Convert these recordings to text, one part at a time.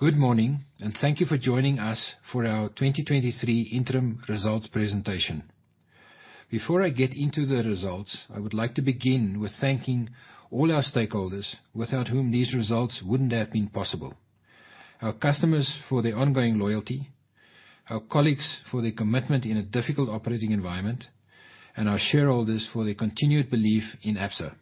Good morning, thank you for joining us for our 2023 interim results presentation. Before I get into the results, I would like to begin with thanking all our stakeholders, without whom these results wouldn't have been possible. Our customers for their ongoing loyalty, our colleagues for their commitment in a difficult operating environment, and our shareholders for their continued belief in Absa.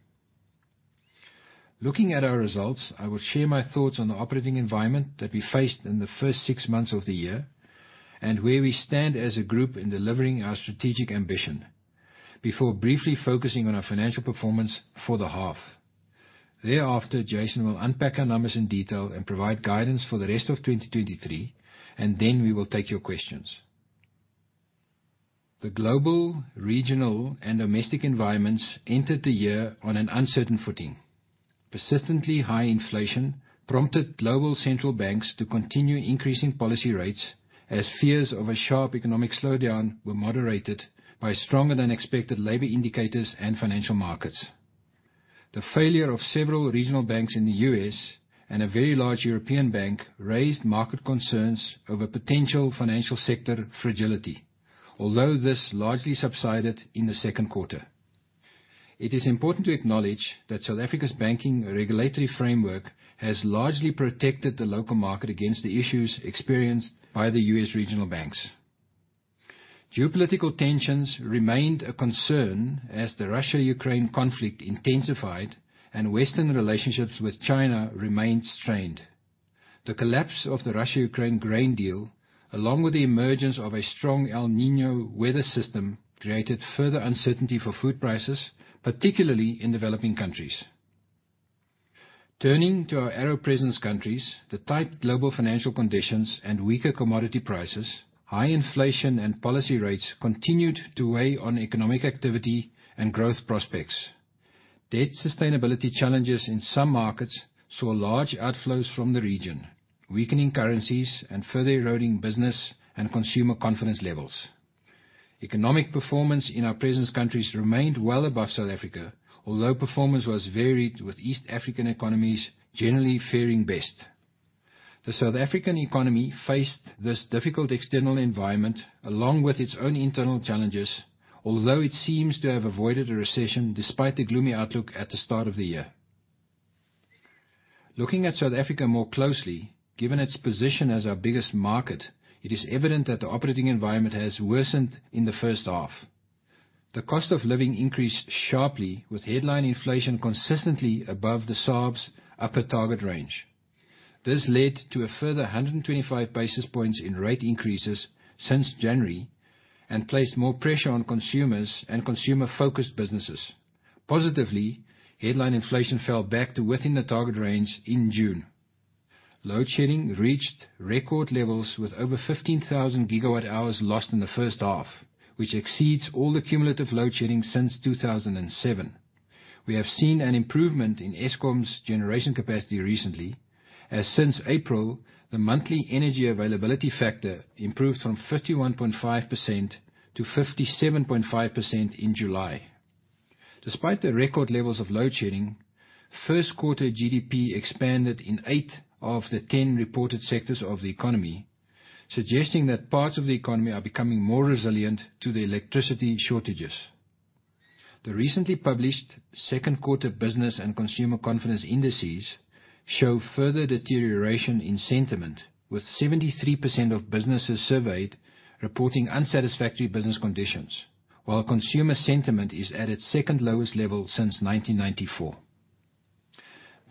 Looking at our results, I will share my thoughts on the operating environment that we faced in the first 6 months of the year and where we stand as a group in delivering our strategic ambition, before briefly focusing on our financial performance for the half. Thereafter, Jason will unpack our numbers in detail and provide guidance for the rest of 2023, then we will take your questions. The global, regional, and domestic environments entered the year on an uncertain footing. Persistently high inflation prompted global central banks to continue increasing policy rates as fears of a sharp economic slowdown were moderated by stronger than expected labor indicators and financial markets. The failure of several regional banks in the U.S. and a very large European bank raised market concerns over potential financial sector fragility, although this largely subsided in the second quarter. It is important to acknowledge that South Africa's banking regulatory framework has largely protected the local market against the issues experienced by the U.S. regional banks. Geopolitical tensions remained a concern as the Russia-Ukraine conflict intensified and Western relationships with China remained strained. The collapse of the Russia-Ukraine grain deal, along with the emergence of a strong El Niño weather system, created further uncertainty for food prices, particularly in developing countries. Turning to our ARO presence countries, the tight global financial conditions and weaker commodity prices, high inflation and policy rates continued to weigh on economic activity and growth prospects. Debt sustainability challenges in some markets saw large outflows from the region, weakening currencies and further eroding business and consumer confidence levels. Economic performance in our presence countries remained well above South Africa, although performance was varied, with East African economies generally fairing best. The South African economy faced this difficult external environment along with its own internal challenges, although it seems to have avoided a recession despite the gloomy outlook at the start of the year. Looking at South Africa more closely, given its position as our biggest market, it is evident that the operating environment has worsened in the first half. The cost of living increased sharply, with headline inflation consistently above the SARB's upper target range. This led to a further 125 basis points in rate increases since January and placed more pressure on consumers and consumer-focused businesses. Positively, headline inflation fell back to within the target range in June. Load shedding reached record levels with over 15,000 gigawatt hours lost in the first half, which exceeds all the cumulative load shedding since 2007. We have seen an improvement in Eskom's generation capacity recently, as since April, the monthly energy availability factor improved from 51.5% to 57.5% in July. Despite the record levels of load shedding, first quarter GDP expanded in eight of the 10 reported sectors of the economy, suggesting that parts of the economy are becoming more resilient to the electricity shortages. The recently published second quarter business and consumer confidence indices show further deterioration in sentiment, with 73% of businesses surveyed reporting unsatisfactory business conditions, while consumer sentiment is at its second lowest level since 1994.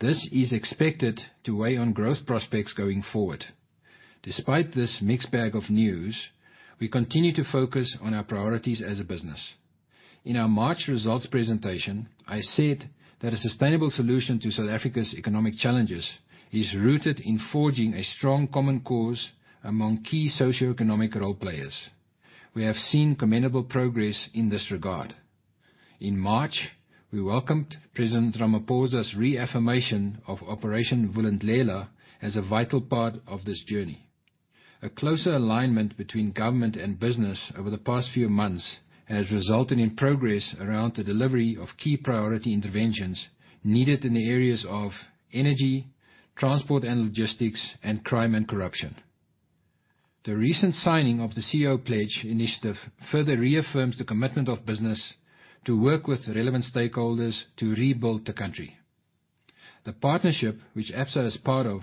This is expected to weigh on growth prospects going forward. Despite this mixed bag of news, we continue to focus on our priorities as a business. In our March results presentation, I said that a sustainable solution to South Africa's economic challenges is rooted in forging a strong common cause among key socioeconomic role players. We have seen commendable progress in this regard. In March, we welcomed President Ramaphosa's reaffirmation of Operation Vulindlela as a vital part of this journey. A closer alignment between government and business over the past few months has resulted in progress around the delivery of key priority interventions needed in the areas of energy, transport and logistics, and crime and corruption. The recent signing of the CEO pledge initiative further reaffirms the commitment of business to work with relevant stakeholders to rebuild the country. The partnership, which Absa is part of,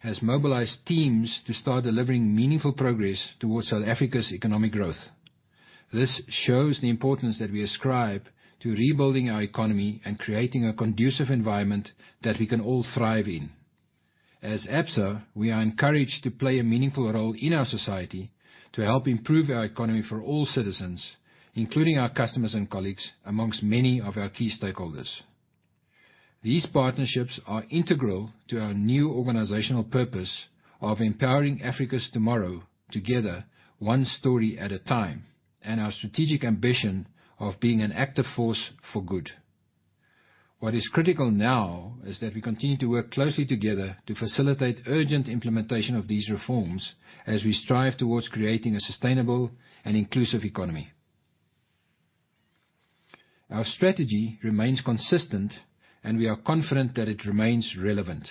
has mobilized teams to start delivering meaningful progress towards South Africa's economic growth. This shows the importance that we ascribe to rebuilding our economy and creating a conducive environment that we can all thrive in. As Absa, we are encouraged to play a meaningful role in our society to help improve our economy for all citizens, including our customers and colleagues, amongst many of our key stakeholders. These partnerships are integral to our new organizational purpose of empowering Africa's tomorrow together, one story at a time, and our strategic ambition of being an active force for good. What is critical now is that we continue to work closely together to facilitate urgent implementation of these reforms as we strive towards creating a sustainable and inclusive economy. Our strategy remains consistent, and we are confident that it remains relevant.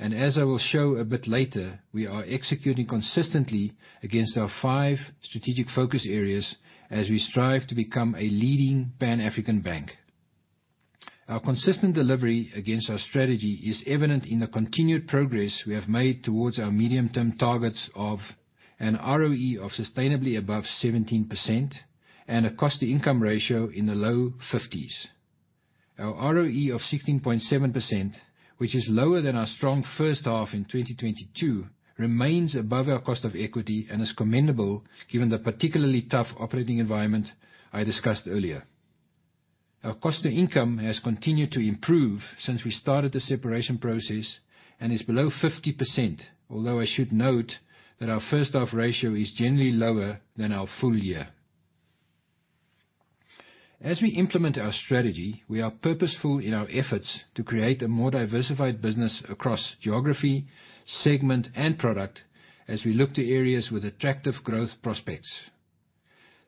As I will show a bit later, we are executing consistently against our 5 strategic focus areas as we strive to become a leading Pan-African bank. Our consistent delivery against our strategy is evident in the continued progress we have made towards our medium-term targets of an ROE of sustainably above 17% and a cost-to-income ratio in the low 50s. Our ROE of 16.7%, which is lower than our strong first half in 2022, remains above our cost of equity and is commendable given the particularly tough operating environment I discussed earlier. Our cost to income has continued to improve since we started the separation process and is below 50%, although I should note that our first half ratio is generally lower than our full year. As we implement our strategy, we are purposeful in our efforts to create a more diversified business across geography, segment, and product as we look to areas with attractive growth prospects.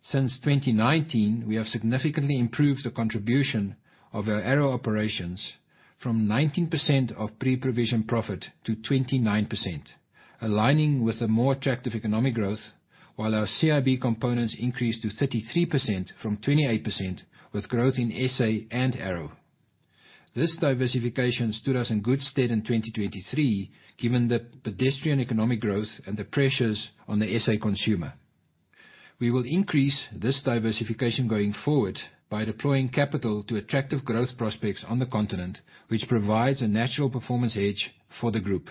Since 2019, we have significantly improved the contribution of our ARO operations from 19% of pre-provision profit to 29%, aligning with a more attractive economic growth, while our CIB components increased to 33% from 28%, with growth in SA and ARO. This diversification stood us in good stead in 2023, given the pedestrian economic growth and the pressures on the SA consumer. We will increase this diversification going forward by deploying capital to attractive growth prospects on the continent, which provides a natural performance edge for the group.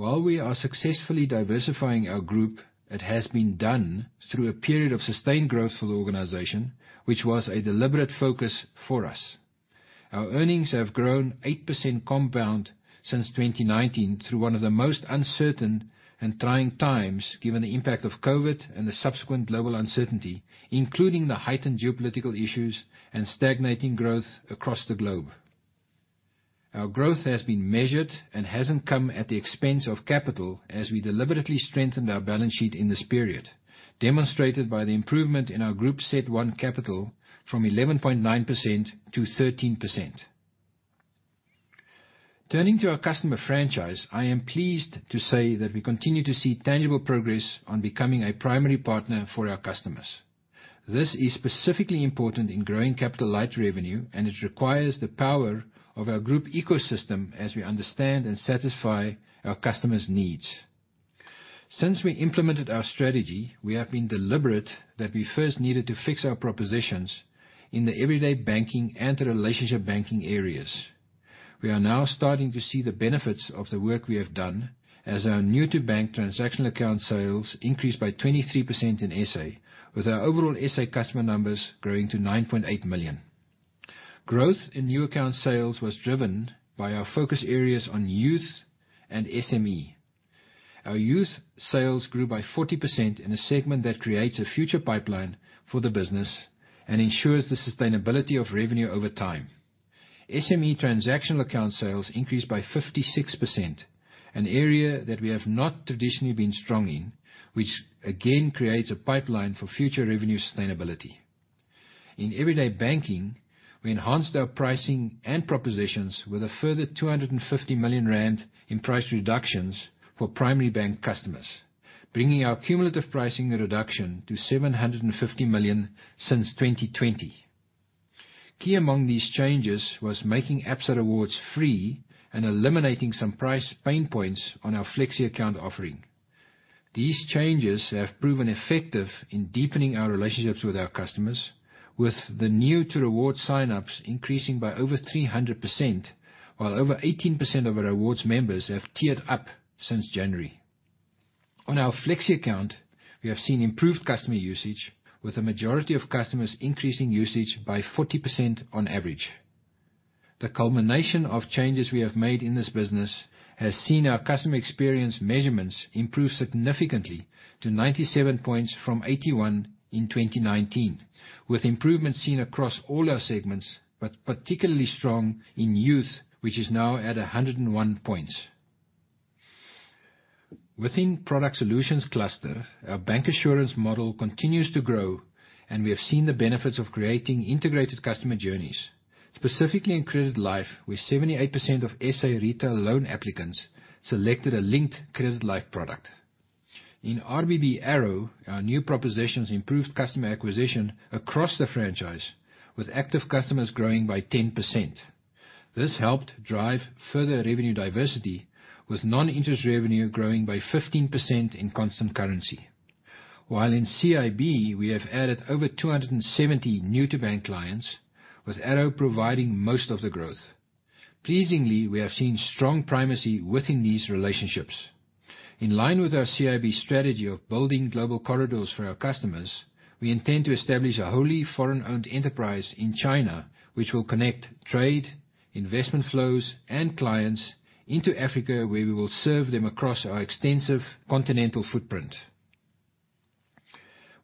While we are successfully diversifying our group, it has been done through a period of sustained growth for the organization, which was a deliberate focus for us. Our earnings have grown 8% compound since 2019 through one of the most uncertain and trying times, given the impact of COVID and the subsequent global uncertainty, including the heightened geopolitical issues and stagnating growth across the globe. Our growth has been measured and hasn't come at the expense of capital, as we deliberately strengthened our balance sheet in this period, demonstrated by the improvement in our Group CET1 capital from 11.9%-13%. Turning to our customer franchise, I am pleased to say that we continue to see tangible progress on becoming a primary partner for our customers. This is specifically important in growing capital light revenue. It requires the power of our group ecosystem as we understand and satisfy our customers' needs. Since we implemented our strategy, we have been deliberate that we first needed to fix our propositions in the everyday banking and the relationship banking areas. We are now starting to see the benefits of the work we have done, as our new-to-bank transactional account sales increased by 23% in SA, with our overall SA customer numbers growing to 9.8 million. Growth in new account sales was driven by our focus areas on youth and SME. Our youth sales grew by 40% in a segment that creates a future pipeline for the business and ensures the sustainability of revenue over time. SME transactional account sales increased by 56%, an area that we have not traditionally been strong in, which again, creates a pipeline for future revenue sustainability. In everyday banking, we enhanced our pricing and propositions with a further 250 million rand in price reductions for primary bank customers, bringing our cumulative pricing reduction to 750 million since 2020. Key among these changes was making Absa Rewards free and eliminating some price pain points on our Flexi Account offering. These changes have proven effective in deepening our relationships with our customers, with the new to reward sign-ups increasing by over 300%, while over 18% of our rewards members have tiered up since January. On our Flexi Account, we have seen improved customer usage, with the majority of customers increasing usage by 40% on average. The culmination of changes we have made in this business has seen our customer experience measurements improve significantly to 97 points from 81 in 2019, with improvements seen across all our segments, but particularly strong in youth, which is now at 101 points. Within Product Solutions cluster, our bank assurance model continues to grow, and we have seen the benefits of creating integrated customer journeys, specifically in Credit Life, where 78% of SA retail loan applicants selected a linked Credit Life product. In RBB ARO, our new propositions improved customer acquisition across the franchise, with active customers growing by 10%. This helped drive further revenue diversity, with non-interest revenue growing by 15% in constant currency. While in CIB, we have added over 270 new-to-bank clients, with ARO providing most of the growth. Pleasingly, we have seen strong primacy within these relationships. In line with our CIB strategy of building global corridors for our customers, we intend to establish a Wholly Foreign-Owned Enterprise in China, which will connect trade, investment flows, and clients into Africa, where we will serve them across our extensive continental footprint.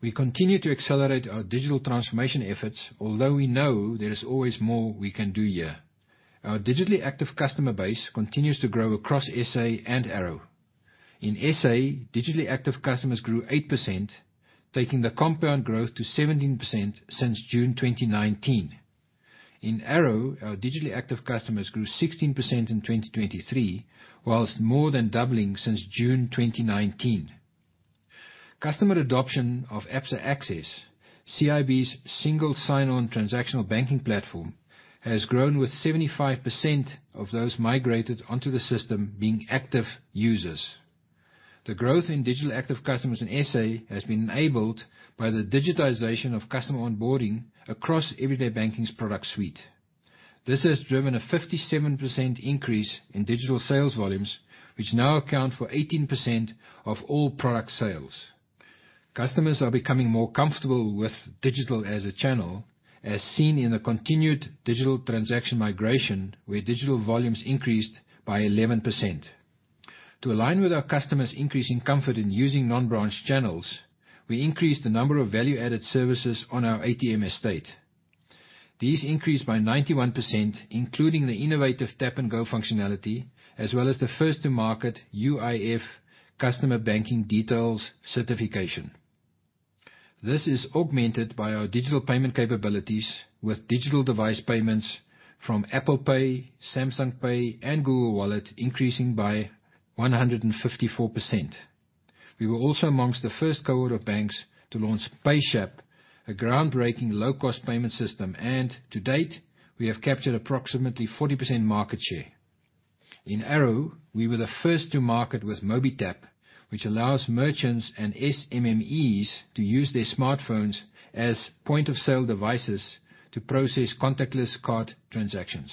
We continue to accelerate our digital transformation efforts, although we know there is always more we can do here. Our digitally active customer base continues to grow across SA and ARO. In SA, digitally active customers grew 8%, taking the compound growth to 17% since June 2019. In ARO, our digitally active customers grew 16% in 2023, whilst more than doubling since June 2019. Customer adoption of Absa Access, CIB's single sign-on transactional banking platform, has grown, with 75% of those migrated onto the system being active users. The growth in digital active customers in SA has been enabled by the digitization of customer onboarding across everyday banking's product suite. This has driven a 57% increase in digital sales volumes, which now account for 18% of all product sales. Customers are becoming more comfortable with digital as a channel, as seen in the continued digital transaction migration, where digital volumes increased by 11%. To align with our customers' increasing comfort in using non-branch channels, we increased the number of value-added services on our ATM estate. These increased by 91%, including the innovative tap-and-go functionality, as well as the first to market UIF customer banking details certification. This is augmented by our digital payment capabilities, with digital device payments from Apple Pay, Samsung Pay, and Google Wallet increasing by 154%. We were also amongst the first cohort of banks to launch PayShap, a groundbreaking low-cost payment system, and to date, we have captured approximately 40% market share. In ARO, we were the first to market with Mobi Tap, which allows merchants and SMMEs to use their smartphones as point-of-sale devices to process contactless card transactions.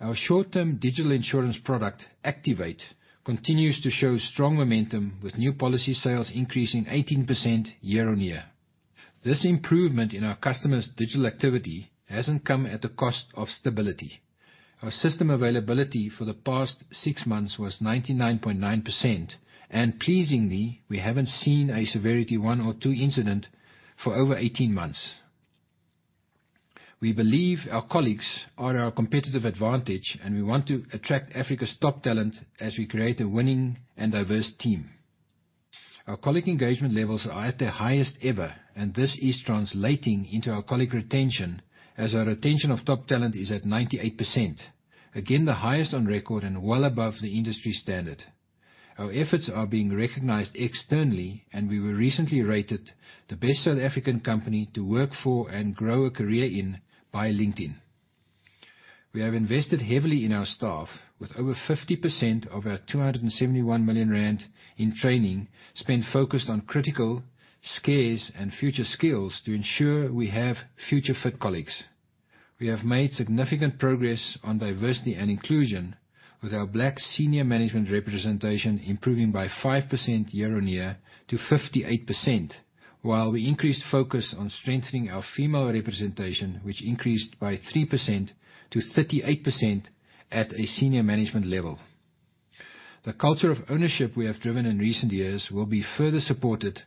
Our short-term digital insurance product, Activate, continues to show strong momentum, with new policy sales increasing 18% year-on-year. This improvement in our customers' digital activity hasn't come at the cost of stability. Our system availability for the past 6 months was 99.9%, and pleasingly, we haven't seen a severity 1 or 2 incident for over 18 months. We believe our colleagues are our competitive advantage, and we want to attract Africa's top talent as we create a winning and diverse team. Our colleague engagement levels are at their highest ever, and this is translating into our colleague retention, as our retention of top talent is at 98%. Again, the highest on record and well above the industry standard. Our efforts are being recognized externally, we were recently rated the best South African company to work for and grow a career in by LinkedIn. We have invested heavily in our staff, with over 50% of our 271 million rand in training spent focused on critical, scarce, and future skills to ensure we have future-fit colleagues. We have made significant progress on diversity and inclusion, with our Black senior management representation improving by 5% year-on-year to 58%, while we increased focus on strengthening our female representation, which increased by 3% to 38% at a senior management level. The culture of ownership we have driven in recent years will be further supported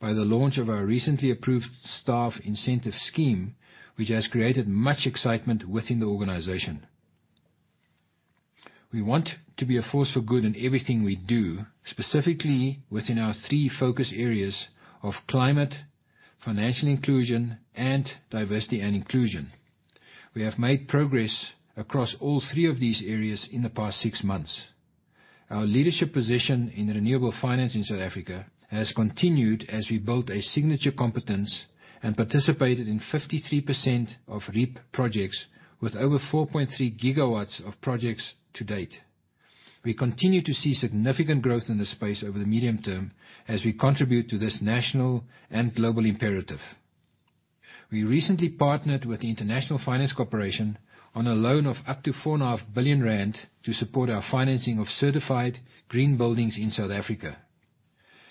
by the launch of our recently approved staff incentive scheme, which has created much excitement within the organization. We want to be a force for good in everything we do, specifically within our three focus areas of climate, financial inclusion, and diversity and inclusion. We have made progress across all three of these areas in the past six months. Our leadership position in renewable finance in South Africa has continued as we built a signature competence and participated in 53% of REIPPPP projects, with over 4.3 gigawatts of projects to date. We continue to see significant growth in this space over the medium term as we contribute to this national and global imperative. We recently partnered with the International Finance Corporation on a loan of up to 4.5 billion rand to support our financing of certified green buildings in South Africa.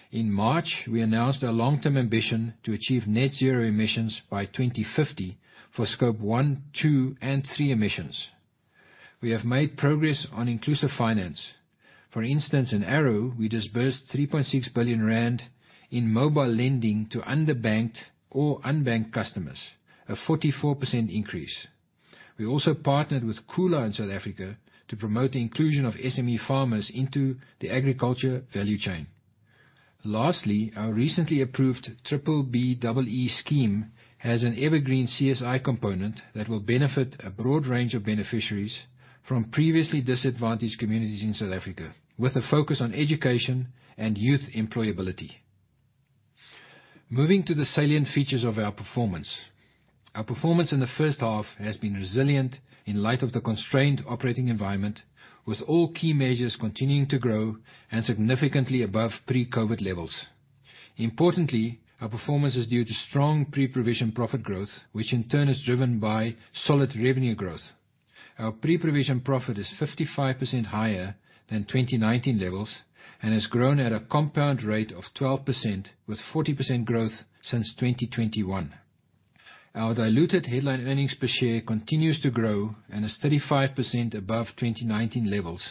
In March, we announced our long-term ambition to achieve net zero emissions by 2050 for scope 1, 2, and 3 emissions. We have made progress on inclusive finance. For instance, in ARO, we disbursed 3.6 billion rand in mobile lending to underbanked or unbanked customers, a 44% increase. We also partnered with Kula in South Africa to promote the inclusion of SME farmers into the agriculture value chain. Lastly, our recently approved B-BBEE scheme has an evergreen CSI component that will benefit a broad range of beneficiaries from previously disadvantaged communities in South Africa, with a focus on education and youth employability. Moving to the salient features of our performance. Our performance in the first half has been resilient in light of the constrained operating environment, with all key measures continuing to grow and significantly above pre-COVID levels. Importantly, our performance is due to strong pre-provision profit growth, which in turn is driven by solid revenue growth. Our pre-provision profit is 55% higher than 2019 levels and has grown at a compound rate of 12%, with 40% growth since 2021. Our diluted headline earnings per share continues to grow and is 35% above 2019 levels,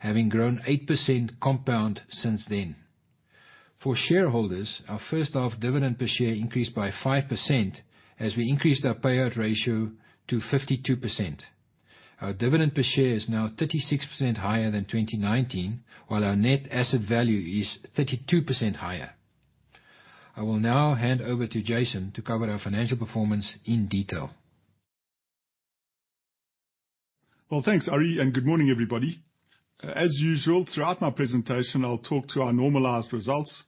having grown 8% compound since then. For shareholders, our first half dividend per share increased by 5% as we increased our payout ratio to 52%. Our dividend per share is now 36% higher than 2019, while our net asset value is 32% higher. I will now hand over to Jason to cover our financial performance in detail. Well, thanks, Ari, good morning, everybody. As usual, throughout my presentation, I'll talk to our normalized results,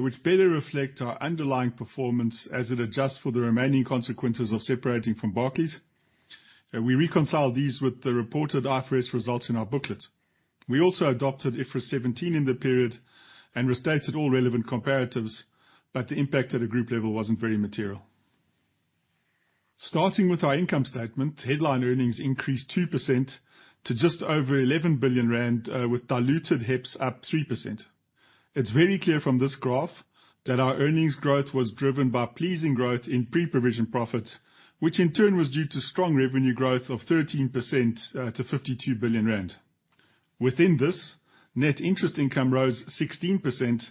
which better reflect our underlying performance as it adjusts for the remaining consequences of separating from Barclays. We reconcile these with the reported IFRS results in our booklet. We also adopted IFRS 17 in the period and restated all relevant comparatives, the impact at a group level wasn't very material. Starting with our income statement, Headline Earnings increased 2% to just over 11 billion rand, with diluted HEPS up 3%. It's very clear from this graph that our earnings growth was driven by pleasing growth in pre-provision profits, which in turn was due to strong revenue growth of 13%, to 52 billion rand. Within this, net interest income rose 16%,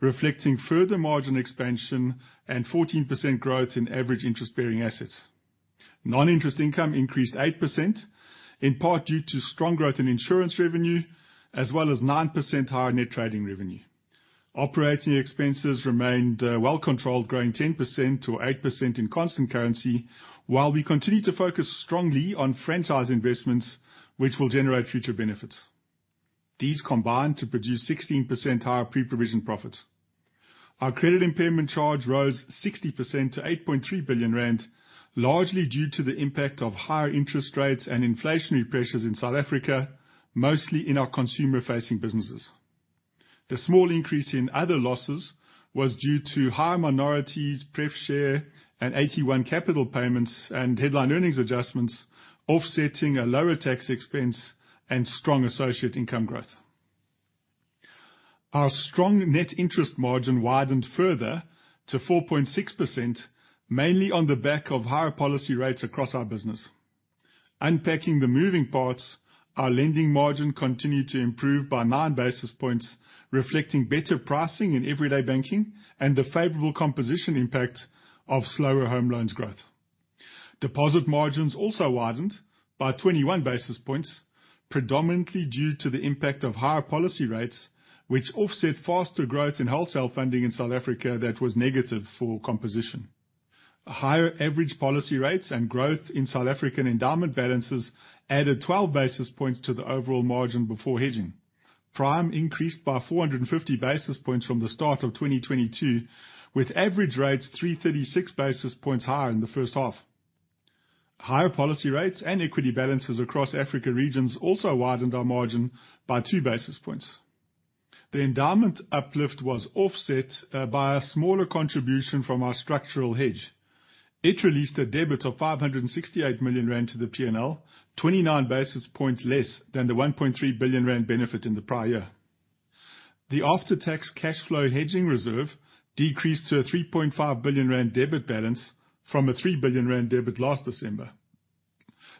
reflecting further margin expansion and 14% growth in average interest-bearing assets. Non-interest income increased 8%, in part due to strong growth in insurance revenue, as well as 9% higher net trading revenue. Operating expenses remained well controlled, growing 10% to 8% in constant currency, while we continued to focus strongly on franchise investments, which will generate future benefits. These combined to produce 16% higher pre-provision profits. Our credit impairment charge rose 60% to 8.3 billion rand, largely due to the impact of higher interest rates and inflationary pressures in South Africa, mostly in our consumer-facing businesses. The small increase in other losses was due to higher minorities, pref share, and AT-1 capital payments and headline earnings adjustments, offsetting a lower tax expense and strong associate income growth. Our strong net interest margin widened further to 4.6%, mainly on the back of higher policy rates across our business. Unpacking the moving parts, our lending margin continued to improve by 9 basis points, reflecting better pricing in everyday banking and the favorable composition impact of slower home loans growth. Deposit margins also widened by 21 basis points, predominantly due to the impact of higher policy rates, which offset faster growth in wholesale funding in South Africa that was negative for composition. Higher average policy rates and growth in South African endowment balances added 12 basis points to the overall margin before hedging. Prime increased by 450 basis points from the start of 2022, with average rates 336 basis points higher in the first half. Higher policy rates and equity balances across Africa regions also widened our margin by 2 basis points. The endowment uplift was offset by a smaller contribution from our structural hedge. It released a debit of 568 million rand to the P&L, 29 basis points less than the 1.3 billion rand benefit in the prior year. The after-tax cash flow hedging reserve decreased to a 3.5 billion rand debit balance from a 3 billion rand debit last December.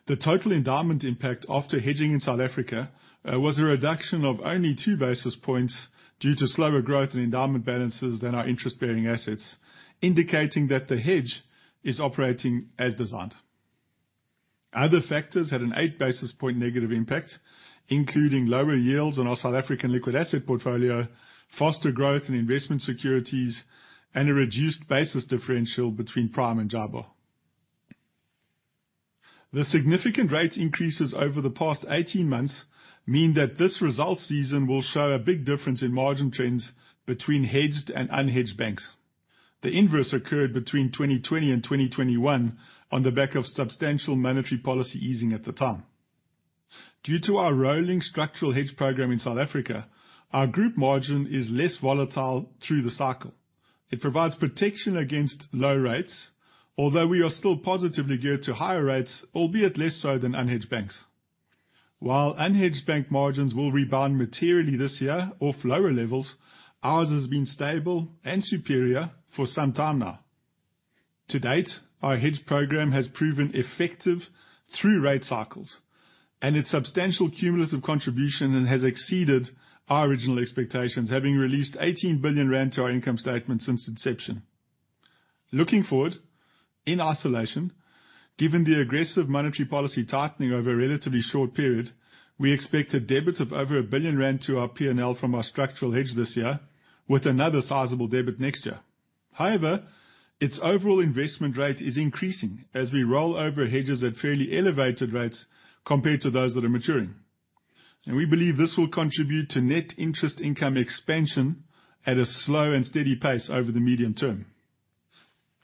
The total endowment impact after hedging in South Africa was a reduction of only 2 basis points due to slower growth in endowment balances than our interest-bearing assets, indicating that the hedge is operating as designed. Other factors had an 8 basis point negative impact, including lower yields on our South African liquid asset portfolio, faster growth in investment securities, and a reduced basis differential between Prime and JIBAR. The significant rate increases over the past 18 months mean that this result season will show a big difference in margin trends between hedged and unhedged banks. The inverse occurred between 2020 and 2021 on the back of substantial monetary policy easing at the time. Due to our rolling structural hedge program in South Africa, our group margin is less volatile through the cycle. It provides protection against low rates, although we are still positively geared to higher rates, albeit less so than unhedged banks. While unhedged bank margins will rebound materially this year off lower levels, ours has been stable and superior for some time now. To date, our hedge program has proven effective through rate cycles and its substantial cumulative contribution, and has exceeded our original expectations, having released 18 billion rand to our income statement since inception. Looking forward, in isolation, given the aggressive monetary policy tightening over a relatively short period, we expect a debit of over 1 billion rand to our P&L from our structural hedge this year, with another sizable debit next year. We believe this will contribute to net interest income expansion at a slow and steady pace over the medium term.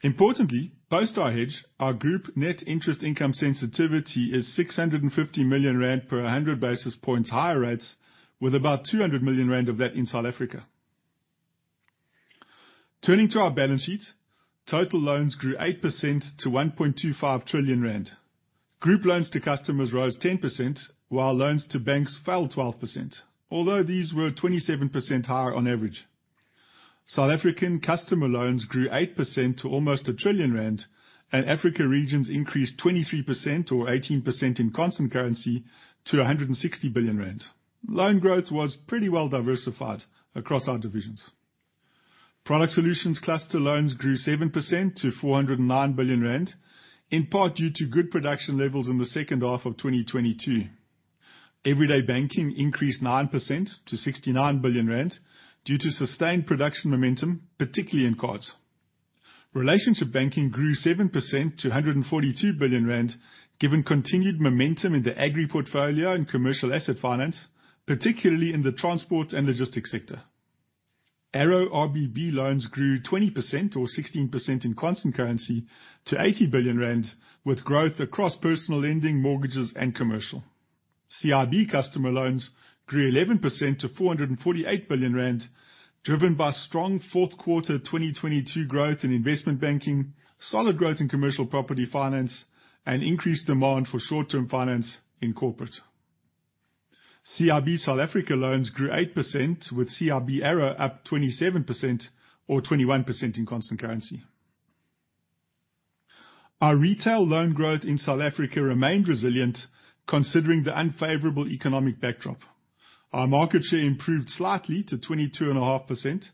Importantly, post our hedge, our group net interest income sensitivity is 650 million rand per 100 basis points higher rates, with about 200 million rand of that in South Africa. Turning to our balance sheet, total loans grew 8% to 1.25 trillion rand. Group loans to customers rose 10%, while loans to banks fell 12%, although these were 27% higher on average. South African customer loans grew 8% to almost 1 trillion rand, and Africa regions increased 23% or 18% in constant currency to 160 billion rand. Loan growth was pretty well diversified across our divisions. Product Solutions cluster loans grew 7% to 409 billion rand, in part due to good production levels in the second half of 2022. Everyday banking increased 9% to 69 billion rand due to sustained production momentum, particularly in cards. Relationship banking grew 7% to 142 billion rand, given continued momentum in the agri portfolio and commercial asset finance, particularly in the transport and logistics sector. ARO RBB loans grew 20% or 16% in constant currency to 80 billion rand, with growth across personal lending, mortgages, and commercial. CIB customer loans grew 11% to 448 billion rand, driven by strong fourth quarter 2022 growth in investment banking, solid growth in commercial property finance, and increased demand for short-term finance in corporate. CIB South Africa loans grew 8%, with CIB ARO up 27% or 21% in constant currency. Our retail loan growth in South Africa remained resilient, considering the unfavorable economic backdrop. Our market share improved slightly to 22.5%,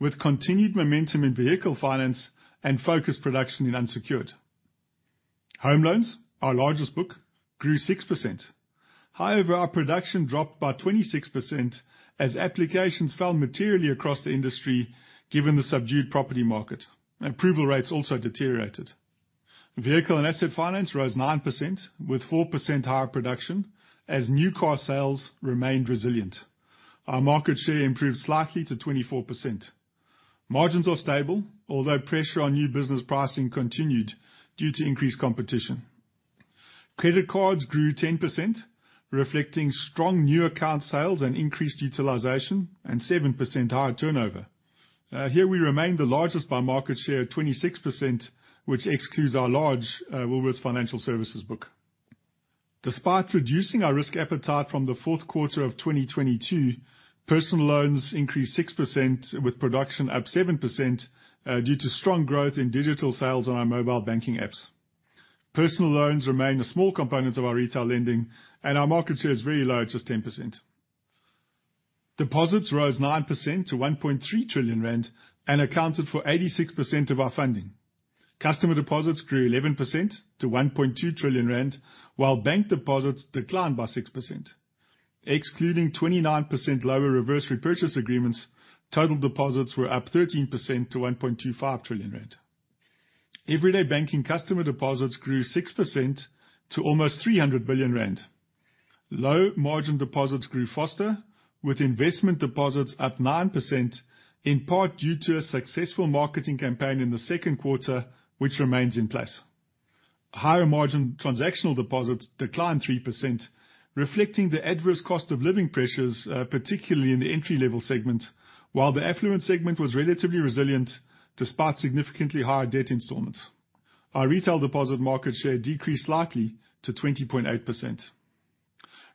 with continued momentum in vehicle finance and focused production in unsecured. Home loans, our largest book, grew 6%. However, our production dropped by 26% as applications fell materially across the industry, given the subdued property market. Approval rates also deteriorated. Vehicle and asset finance rose 9%, with 4% higher production as new car sales remained resilient. Our market share improved slightly to 24%. Margins are stable, although pressure on new business pricing continued due to increased competition. Credit cards grew 10%, reflecting strong new account sales and increased utilization and 7% higher turnover. Here we remain the largest by market share, at 26%, which excludes our large Woolworths Financial Services book. Despite reducing our risk appetite from the fourth quarter of 2022, personal loans increased 6%, with production up 7%, due to strong growth in digital sales on our mobile banking apps. Personal loans remain a small component of our retail lending, our market share is very low, at just 10%. Deposits rose 9% to 1.3 trillion rand and accounted for 86% of our funding. Customer deposits grew 11% to 1.2 trillion rand, while bank deposits declined by 6%. Excluding 29% lower reverse repurchase agreements, total deposits were up 13% to 1.25 trillion rand. Everyday banking customer deposits grew 6% to almost 300 billion rand. Low margin deposits grew faster, with investment deposits up 9%, in part due to a successful marketing campaign in the second quarter, which remains in place. Higher margin transactional deposits declined 3%, reflecting the adverse cost of living pressures, particularly in the entry-level segment, while the affluent segment was relatively resilient despite significantly higher debt installments. Our retail deposit market share decreased slightly to 20.8%.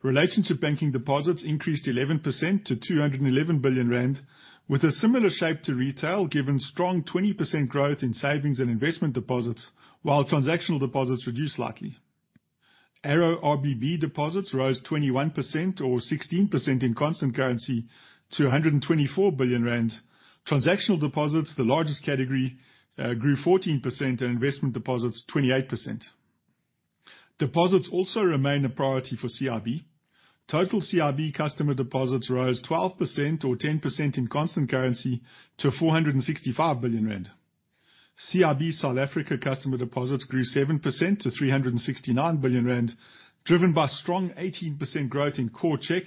Relationship banking deposits increased 11% to 211 billion rand, with a similar shape to retail, given strong 20% growth in savings and investment deposits, while transactional deposits reduced slightly. ARO RBB deposits rose 21% or 16% in constant currency to 124 billion rand. Transactional deposits, the largest category, grew 14%, and investment deposits, 28%. Deposits also remain a priority for CIB. Total CIB customer deposits rose 12% or 10% in constant currency to 465 billion rand. CIB South Africa customer deposits grew 7% to 369 billion rand, driven by strong 18% growth in core check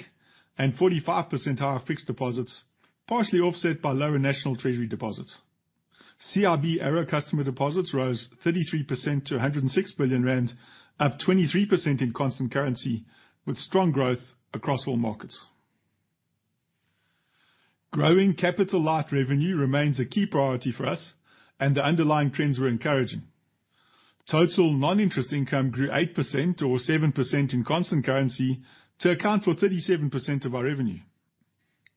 and 45% higher fixed deposits, partially offset by lower national treasury deposits. CIB ARO customer deposits rose 33% to 106 billion rand, up 23% in constant currency, with strong growth across all markets. Growing capital light revenue remains a key priority for us, and the underlying trends were encouraging. Total non-interest income grew 8% or 7% in constant currency to account for 37% of our revenue.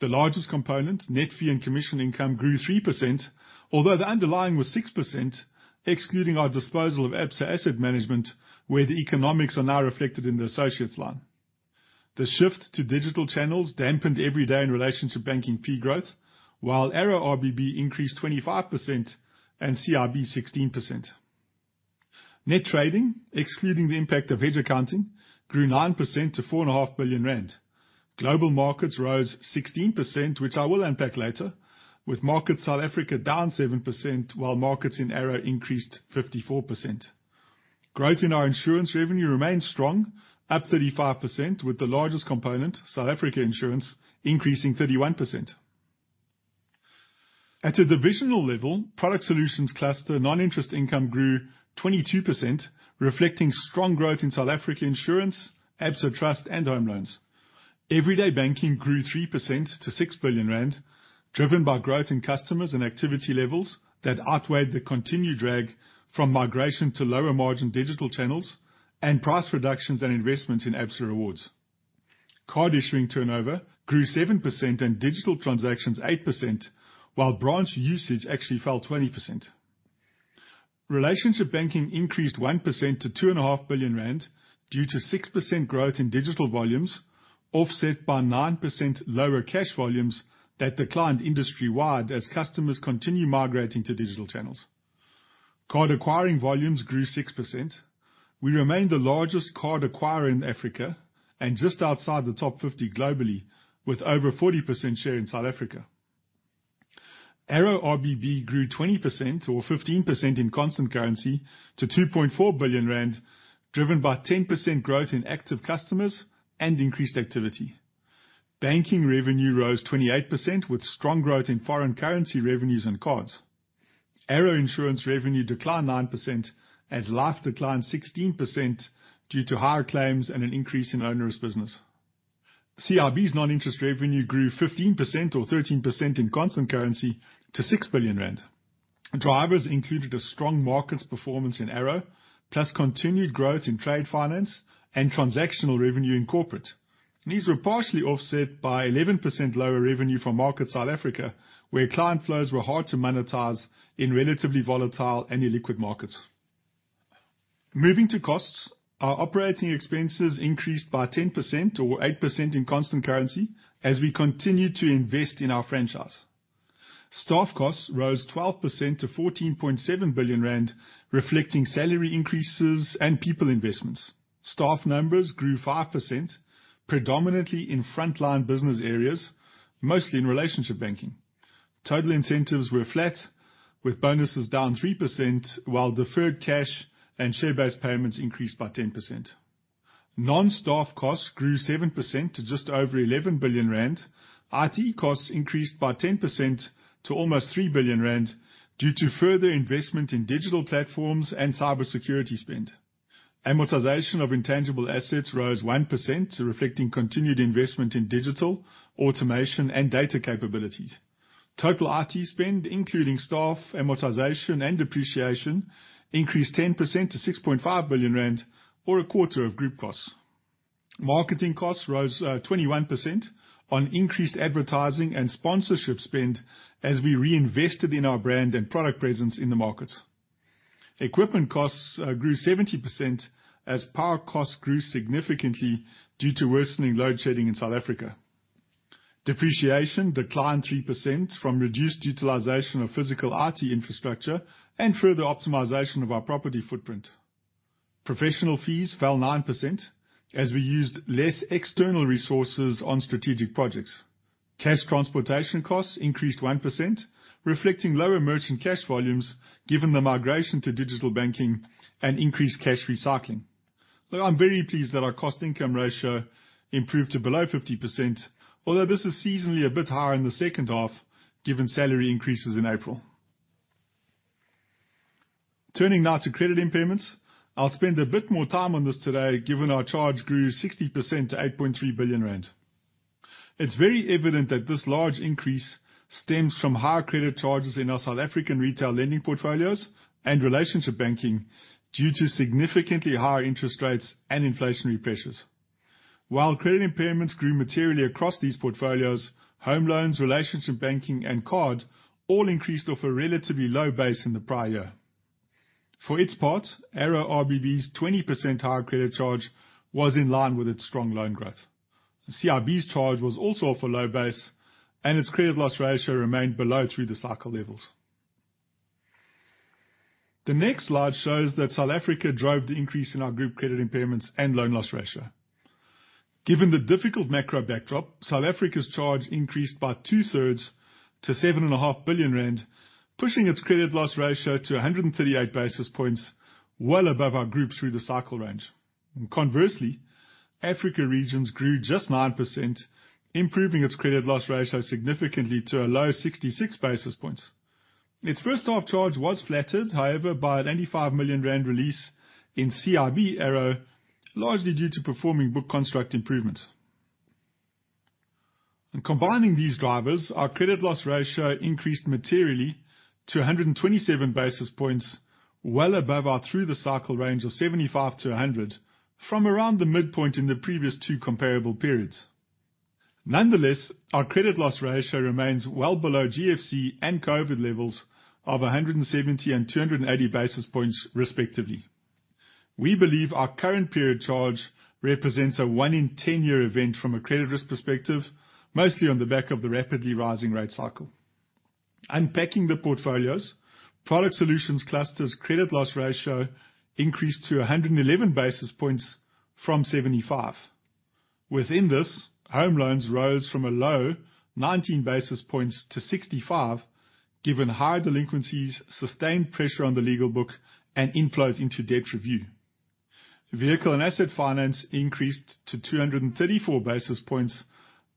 The largest component, net fee and commission income, grew 3%, although the underlying was 6%, excluding our disposal of Absa Asset Management, where the economics are now reflected in the associates line. The shift to digital channels dampened everyday in relationship banking fee growth, while ARO RBB increased 25% and CIB 16%. Net trading, excluding the impact of hedge accounting, grew 9% to 4.5 billion rand. Global Markets rose 16%, which I will unpack later, with market South Africa down 7%, while markets in ARO increased 54%. Growth in our insurance revenue remains strong, up 35%, with the largest component, South Africa Insurance, increasing 31%. At a divisional level, Product Solutions cluster non-interest income grew 22%, reflecting strong growth in South Africa Insurance, Absa Trust, and Home Loans. Everyday banking grew 3% to 6 billion rand, driven by growth in customers and activity levels that outweighed the continued drag from migration to lower margin digital channels and price reductions and investments in Absa Rewards. Card issuing turnover grew 7% and digital transactions 8%, while branch usage actually fell 20%. Relationship banking increased 1% to 2.5 billion rand due to 6% growth in digital volumes, offset by 9% lower cash volumes that declined industry-wide as customers continue migrating to digital channels. Card acquiring volumes grew 6%. We remain the largest card acquirer in Africa and just outside the top 50 globally, with over 40% share in South Africa. ARO RBB grew 20% or 15% in constant currency to 2.4 billion rand, driven by 10% growth in active customers and increased activity. Banking revenue rose 28% with strong growth in foreign currency revenues and cards. ARO Insurance revenue declined 9% as life declined 16% due to higher claims and an increase in onerous business. CIB's non-interest revenue grew 15% or 13% in constant currency to 6 billion rand. Drivers included a strong markets performance in ARO, plus continued growth in trade finance and transactional revenue in corporate. These were partially offset by 11% lower revenue from Markets South Africa, where client flows were hard to monetize in relatively volatile and illiquid markets. Moving to costs, our operating expenses increased by 10% or 8% in constant currency as we continued to invest in our franchise. Staff costs rose 12% to 14.7 billion rand, reflecting salary increases and people investments. Staff numbers grew 5%, predominantly in frontline business areas, mostly in relationship banking. Total incentives were flat, with bonuses down 3%, while deferred cash and share-based payments increased by 10%. Non-staff costs grew 7% to just over 11 billion rand. IT costs increased by 10% to almost R3 billion due to further investment in digital platforms and cybersecurity spend. Amortization of intangible assets rose 1%, reflecting continued investment in digital, automation, and data capabilities. Total IT spend, including staff, amortization, and depreciation, increased 10% to R6.5 billion, or a quarter of group costs. Marketing costs rose 21% on increased advertising and sponsorship spend as we reinvested in our brand and product presence in the market. Equipment costs grew 70% as power costs grew significantly due to worsening load shedding in South Africa. Depreciation declined 3% from reduced utilization of physical IT infrastructure and further optimization of our property footprint. Professional fees fell 9% as we used less external resources on strategic projects. Cash transportation costs increased 1%, reflecting lower merchant cash volumes given the migration to digital banking and increased cash recycling. Well, I'm very pleased that our cost income ratio improved to below 50%, although this is seasonally a bit higher in the second half given salary increases in April. Turning now to credit impairments. I'll spend a bit more time on this today, given our charge grew 60% to 8.3 billion rand. It's very evident that this large increase stems from higher credit charges in our South African retail lending portfolios and relationship banking due to significantly higher interest rates and inflationary pressures. While credit impairments grew materially across these portfolios, home loans, relationship banking, and card all increased off a relatively low base in the prior year. For its part, ARO's 20% higher credit charge was in line with its strong loan growth. CIB's charge was also off a low base, and its credit loss ratio remained below through-the-cycle levels. The next slide shows that South Africa drove the increase in our group credit impairments and loan loss ratio. Given the difficult macro backdrop, South Africa's charge increased by 2/3 to 7.5 billion rand, pushing its credit loss ratio to 138 basis points, well above our group through the cycle range. Conversely, Africa regions grew just 9%, improving its credit loss ratio significantly to a low 66 basis points. Its first half charge was flattered, however, by a 85 million rand release in CIB ARO, largely due to performing book construct improvements. In combining these drivers, our credit loss ratio increased materially to 127 basis points, well above our through-the-cycle range of 75-100 basis points, from around the midpoint in the previous two comparable periods. Nonetheless, our credit loss ratio remains well below GFC and COVID levels of 170 and 280 basis points, respectively. We believe our current period charge represents a 1-in-10-year event from a credit risk perspective, mostly on the back of the rapidly rising rate cycle. Unpacking the portfolios, Product Solutions cluster's credit loss ratio increased to 111 basis points from 75. Within this, home loans rose from a low 19 basis points to 65, given higher delinquencies, sustained pressure on the legal book, and inflows into debt review. Vehicle and Asset Finance increased to 234 basis points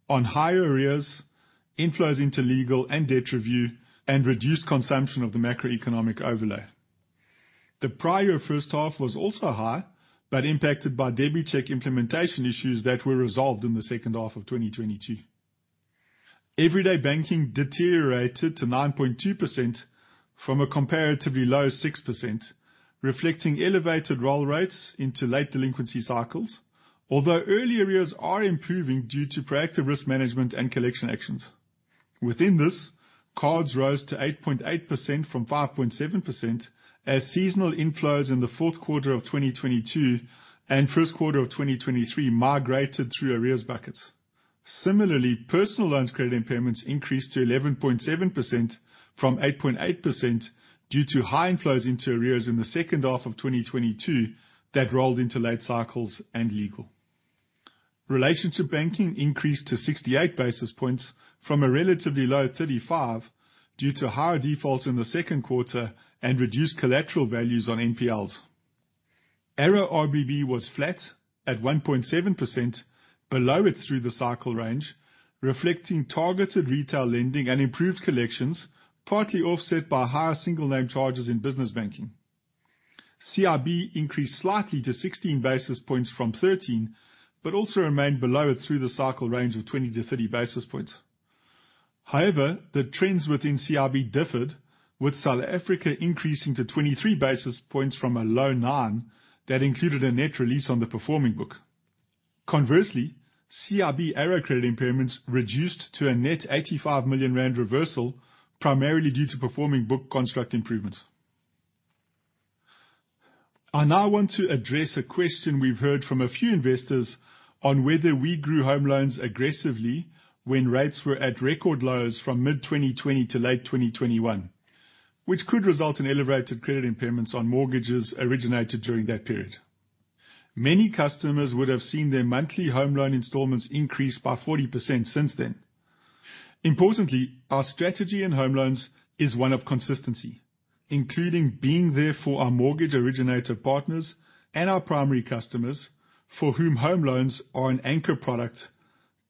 on higher arrears, inflows into legal and debt review, reduced consumption of the macroeconomic overlay. The prior first half was also high, but impacted by DebiCheck implementation issues that were resolved in the second half of 2022. Everyday banking deteriorated to 9.2% from a comparatively low 6%, reflecting elevated roll rates into late delinquency cycles. Although early arrears are improving due to proactive risk management and collection actions. Within this, cards rose to 8.8% from 5.7% as seasonal inflows in the fourth quarter of 2022 and first quarter of 2023 migrated through arrears buckets. Similarly, personal loans credit impairments increased to 11.7% from 8.8% due to high inflows into arrears in the second half of 2022 that rolled into late cycles and legal. Relationship banking increased to 68 basis points from a relatively low 35, due to higher defaults in the second quarter and reduced collateral values on NPLs. ARO RBB was flat at 1.7%, below its through the cycle range, reflecting targeted retail lending and improved collections, partly offset by higher single name charges in business banking. CIB increased slightly to 16 basis points from 13, but also remained below it through the cycle range of 20-30 basis points. However, the trends within CIB differed, with South Africa increasing to 23 basis points from a low 9 that included a net release on the performing book. Conversely, CIB ARO credit impairments reduced to a net 85 million rand reversal, primarily due to performing book construct improvements. I now want to address a question we've heard from a few investors on whether we grew home loans aggressively when rates were at record lows from mid-2020 to late 2021, which could result in elevated credit impairments on mortgages originated during that period. Many customers would have seen their monthly home loan installments increase by 40% since then. Importantly, our strategy in home loans is one of consistency, including being there for our mortgage originator partners and our primary customers, for whom home loans are an anchor product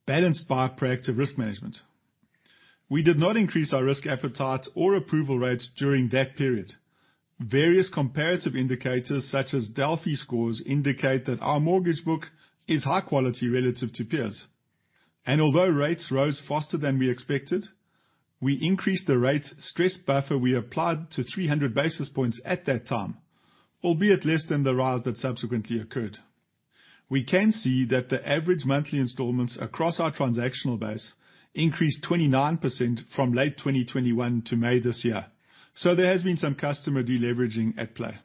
balanced by proactive risk management. We did not increase our risk appetite or approval rates during that period. Various comparative indicators, such as Delphi scores, indicate that our mortgage book is high quality relative to peers. Although rates rose faster than we expected, we increased the rate stress buffer we applied to 300 basis points at that time, albeit less than the rise that subsequently occurred. We can see that the average monthly installments across our transactional base increased 29% from late 2021 to May this year, so there has been some customer deleveraging at play.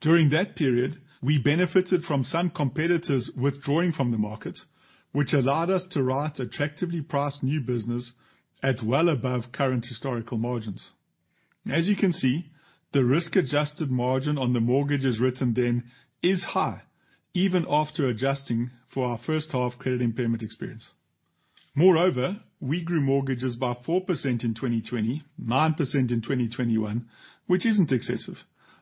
During that period, we benefited from some competitors withdrawing from the market, which allowed us to write attractively priced new business at well above current historical margins. As you can see, the risk-adjusted margin on the mortgages written then is high, even after adjusting for our first half credit impairment experience. Moreover, we grew mortgages by 4% in 2020, 9% in 2021, which isn't excessive,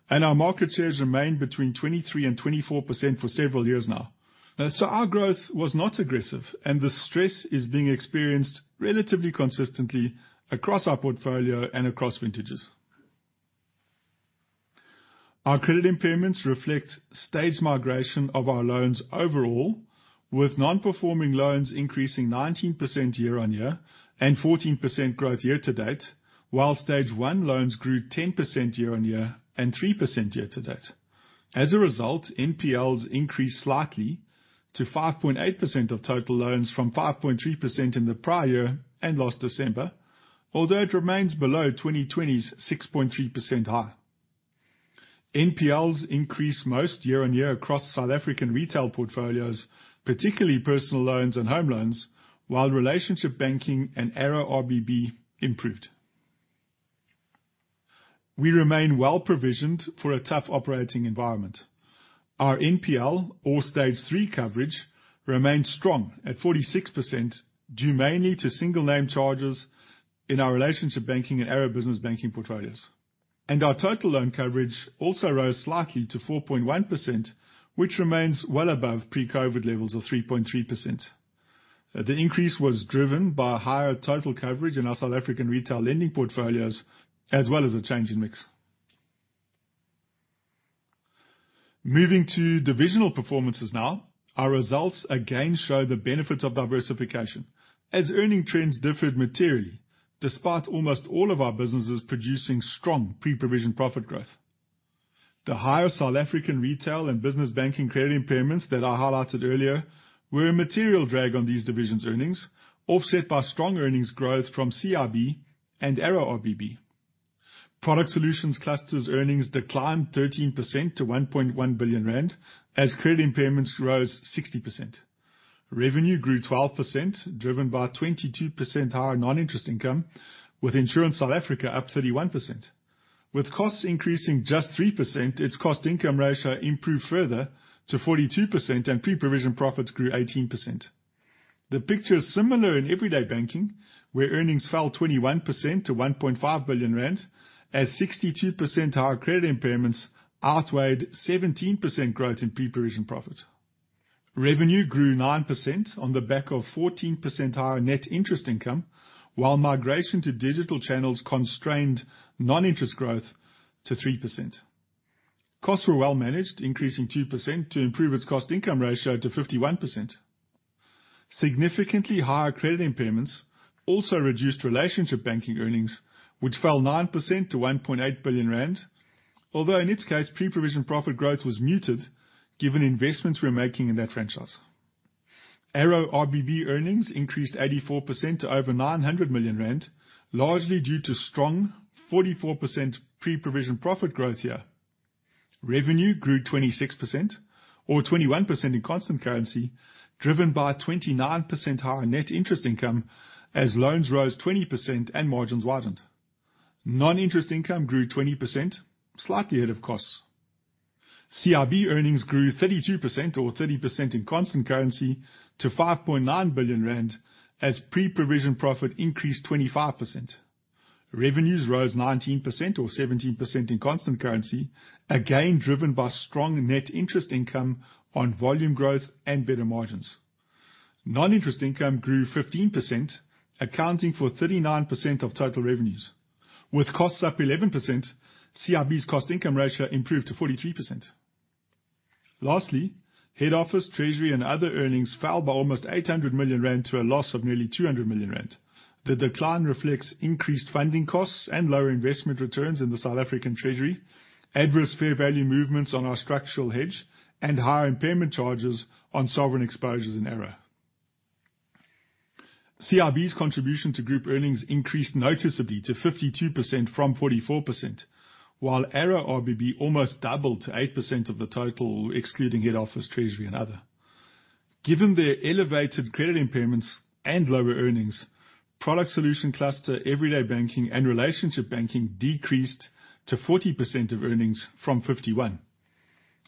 and our market shares remained between 23% and 24% for several years now. Our growth was not aggressive, and the stress is being experienced relatively consistently across our portfolio and across vintages. Our credit impairments reflect stage migration of our loans overall, with non-performing loans increasing 19% year on year and 14% growth year to date, while stage 1 loans grew 10% year on year and 3% year to date. As a result, NPLs increased slightly to 5.8% of total loans from 5.3% in the prior year and last December, although it remains below 2020's 6.3% high. NPLs increased most year on year across South African retail portfolios, particularly personal loans and home loans, while relationship banking and ARO RBB improved. We remain well provisioned for a tough operating environment. Our NPL or stage 3 coverage remains strong at 46%, due mainly to single name charges in our relationship banking and ARO business banking portfolios. Our total loan coverage also rose slightly to 4.1%, which remains well above pre-COVID levels of 3.3%. The increase was driven by higher total coverage in our South African retail lending portfolios, as well as a change in mix. Moving to divisional performances now. Our results again show the benefits of diversification as earning trends differed materially, despite almost all of our businesses producing strong pre-provision profit growth. The higher South African retail and business banking credit impairments that I highlighted earlier were a material drag on these divisions' earnings, offset by strong earnings growth from CIB and ARO RBB. Product Solutions cluster's earnings declined 13% to 1.1 billion rand as credit impairments rose 60%. Revenue grew 12%, driven by 22% higher non-interest income, with Insurance South Africa up 31%. With costs increasing just 3%, its cost-income ratio improved further to 42% and pre-provision profits grew 18%. The picture is similar in everyday banking, where earnings fell 21% to 1.5 billion rand as 62% higher credit impairments outweighed 17% growth in pre-provision profit. Revenue grew 9% on the back of 14% higher net interest income, while migration to digital channels constrained non-interest growth to 3%. Costs were well managed, increasing 2% to improve its cost-income ratio to 51%. Significantly higher credit impairments also reduced relationship banking earnings, which fell 9% to 1.8 billion rand. Although in its case, pre-provision profit growth was muted, given investments we are making in that franchise. ARO RBB earnings increased 84% to over 900 million rand, largely due to strong 44% pre-provision profit growth here. Revenue grew 26% or 21% in constant currency, driven by 29% higher net interest income as loans rose 20% and margins widened. Non-interest income grew 20%, slightly ahead of costs. CIB earnings grew 32% or 30% in constant currency to 5.9 billion rand, as pre-provision profit increased 25%. Revenues rose 19% or 17% in constant currency, again driven by strong net interest income on volume growth and better margins. Non-interest income grew 15%, accounting for 39% of total revenues, with costs up 11%, CIB's cost-income ratio improved to 43%. Lastly, Head Office, Treasury, and other earnings fell by almost 800 million rand to a loss of nearly 200 million rand. The decline reflects increased funding costs and lower investment returns in the South African Treasury, adverse fair value movements on our structural hedge, and higher impairment charges on sovereign exposures in ARO. CIB's contribution to group earnings increased noticeably to 52% from 44%, while ARO RBB almost doubled to 8% of the total, excluding Head Office, Treasury, and other. Given their elevated credit impairments and lower earnings, product solution, cluster, everyday banking, and relationship banking decreased to 40% of earnings from 51%.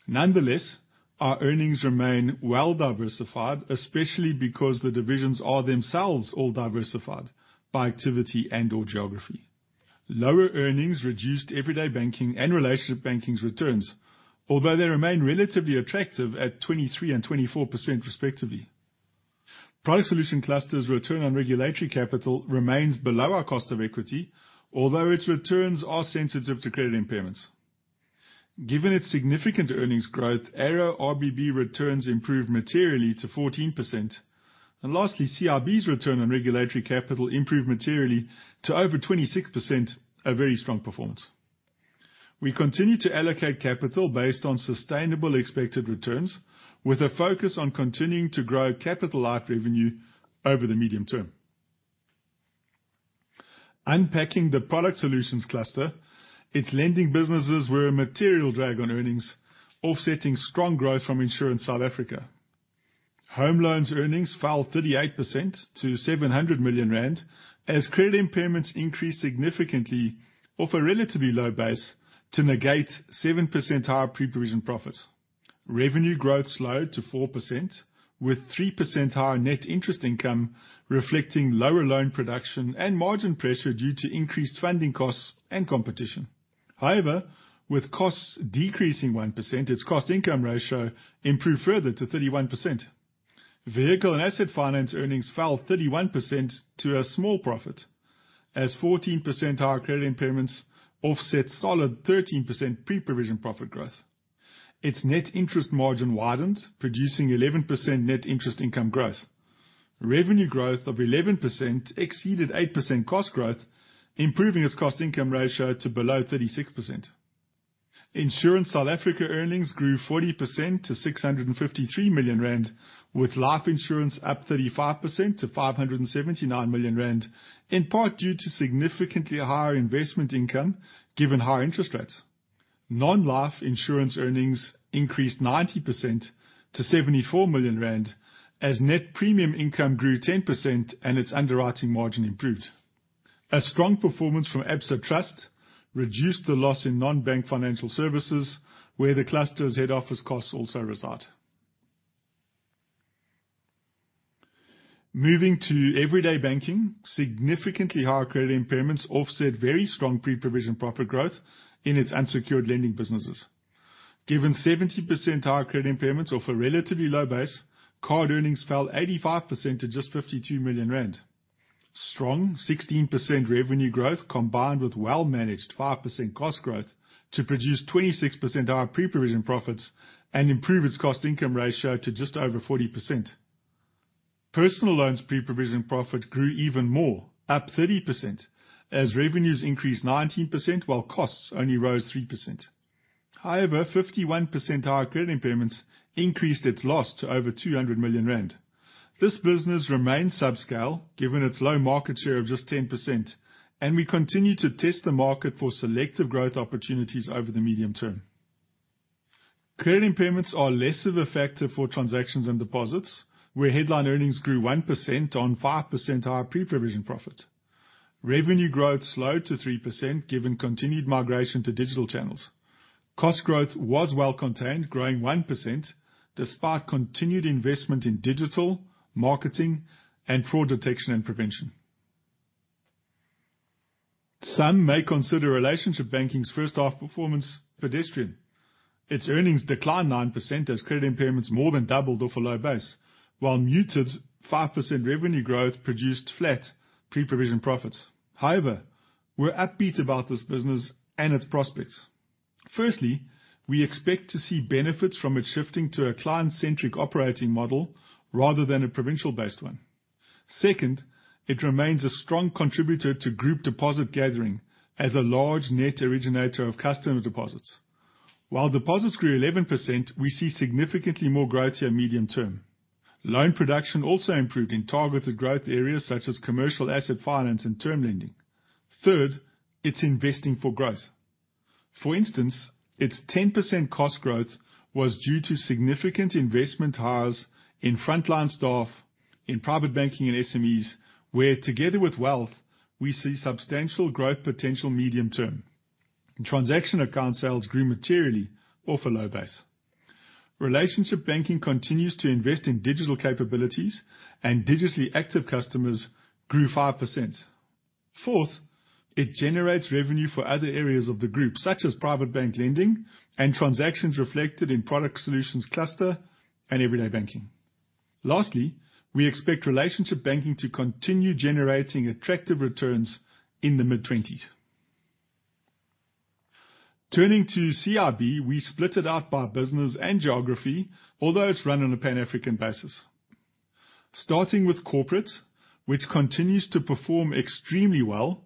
Nonetheless, our earnings remain well diversified, especially because the divisions are themselves all diversified by activity and/or geography. Lower earnings reduced everyday banking and relationship banking's returns, although they remain relatively attractive at 23% and 24%, respectively. Product solution clusters return on regulatory capital remains below our cost of equity, although its returns are sensitive to credit impairments. Given its significant earnings growth, ARO RBB returns improved materially to 14%. Lastly, CIB's return on regulatory capital improved materially to over 26%, a very strong performance. We continue to allocate capital based on sustainable expected returns, with a focus on continuing to grow capital life revenue over the medium term. Unpacking the Product Solutions cluster, its lending businesses were a material drag on earnings, offsetting strong growth from Insurance South Africa. Home loans earnings fell 38% to 700 million rand, as credit impairments increased significantly off a relatively low base to negate 7% higher pre-provision profits. Revenue growth slowed to 4%, with 3% higher net interest income, reflecting lower loan production and margin pressure due to increased funding costs and competition. With costs decreasing 1%, its cost income ratio improved further to 31%. Vehicle and Asset Finance earnings fell 31% to a small profit, as 14% higher credit impairments offset solid 13% pre-provision profit growth. Its net interest margin widened, producing 11% net interest income growth. Revenue growth of 11% exceeded 8% cost growth, improving its cost income ratio to below 36%. Insurance South Africa earnings grew 40% to 653 million rand, with life insurance up 35% to 579 million rand, in part due to significantly higher investment income given higher interest rates. Non-life insurance earnings increased 90% to 74 million rand as net premium income grew 10% and its underwriting margin improved. A strong performance from Absa Trust reduced the loss in non-bank financial services, where the cluster's head office costs also reside. Moving to everyday banking, significantly higher credit impairments offset very strong pre-provision profit growth in its unsecured lending businesses. Given 70% higher credit impairments off a relatively low base, card earnings fell 85% to just 52 million rand. Strong 16% revenue growth, combined with well-managed 5% cost growth to produce 26% higher pre-provision profits and improve its cost income ratio to just over 40%. Personal loans pre-provision profit grew even more, up 30% as revenues increased 19%, while costs only rose 3%. However, 51% higher credit impairments increased its loss to over 200 million rand. This business remains subscale, given its low market share of just 10%, and we continue to test the market for selective growth opportunities over the medium term. Credit impairments are less of a factor for transactions and deposits, where headline earnings grew 1% on 5% higher pre-provision profit. Revenue growth slowed to 3%, given continued migration to digital channels. Cost growth was well contained, growing 1% despite continued investment in digital, marketing, and fraud detection and prevention. Some may consider relationship banking's first half performance pedestrian. Its earnings declined 9% as credit impairments more than doubled off a low base, while muted 5% revenue growth produced flat pre-provision profits. However, we're upbeat about this business and its prospects. Firstly, we expect to see benefits from it shifting to a client-centric operating model rather than a provincial-based one. Second, it remains a strong contributor to group deposit gathering as a large net originator of customer deposits. While deposits grew 11%, we see significantly more growth here medium term. Loan production also improved in targeted growth areas such as commercial asset finance and term lending. Third, it's investing for growth. For instance, its 10% cost growth was due to significant investment hires in frontline staff, in private banking and SMEs, where, together with wealth, we see substantial growth potential medium term. Transaction account sales grew materially off a low base. Relationship banking continues to invest in digital capabilities, and digitally active customers grew 5%. Fourth, it generates revenue for other areas of the group, such as private bank lending and transactions reflected in Product Solutions cluster and everyday banking. Lastly, we expect relationship banking to continue generating attractive returns in the mid-20s. Turning to CIB, we split it out by business and geography, although it's run on a Pan-African basis. Starting with corporate, which continues to perform extremely well,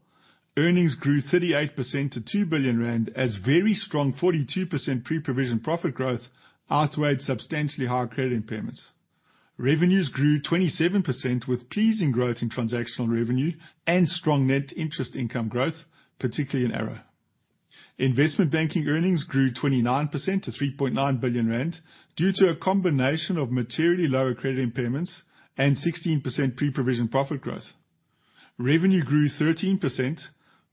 earnings grew 38% to 2 billion rand, as very strong 42% pre-provision profit growth outweighed substantially higher credit impairments. Revenues grew 27% with pleasing growth in transactional revenue and strong net interest income growth, particularly in ARO. Investment banking earnings grew 29% to 3.9 billion rand, due to a combination of materially lower credit impairments and 16% pre-provision profit growth. Revenue grew 13%,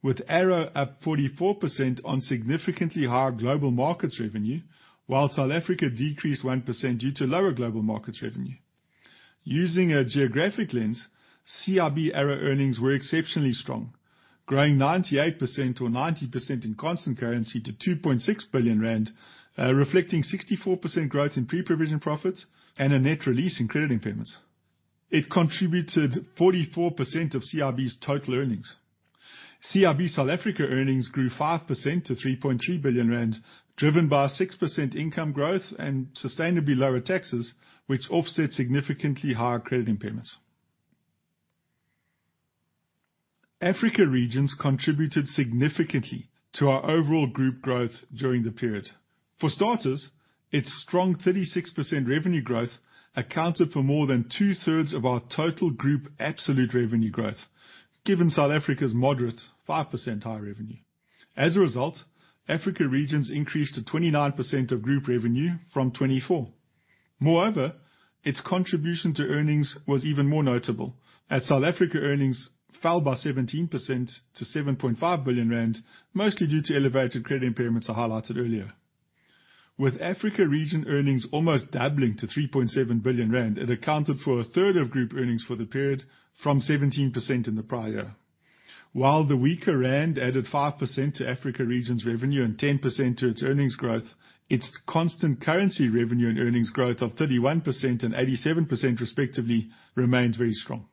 with ARO up 44% on significantly higher global markets revenue, while South Africa decreased 1% due to lower global markets revenue. Using a geographic lens, CIB ARO earnings were exceptionally strong, growing 98% or 90% in constant currency to 2.6 billion rand, reflecting 64% growth in pre-provision profits and a net release in credit impairments. It contributed 44% of CIB's total earnings. CIB South Africa earnings grew 5% to 3.3 billion rand, driven by 6% income growth and sustainably lower taxes, which offset significantly higher credit impairments. Africa regions contributed significantly to our overall group growth during the period. For starters, its strong 36% revenue growth accounted for more than two-thirds of our total group absolute revenue growth, given South Africa's moderate 5% higher revenue. As a result, Africa regions increased to 29% of group revenue from 24%. Moreover, its contribution to earnings was even more notable, as South Africa earnings fell by 17% to 7.5 billion rand, mostly due to elevated credit impairments I highlighted earlier. With Africa region earnings almost doubling to 3.7 billion rand, it accounted for a third of group earnings for the period, from 17% in the prior year. While the weaker rand added 5% to Africa region's revenue and 10% to its earnings growth, its constant currency revenue and earnings growth of 31% and 87% respectively, remained very strong.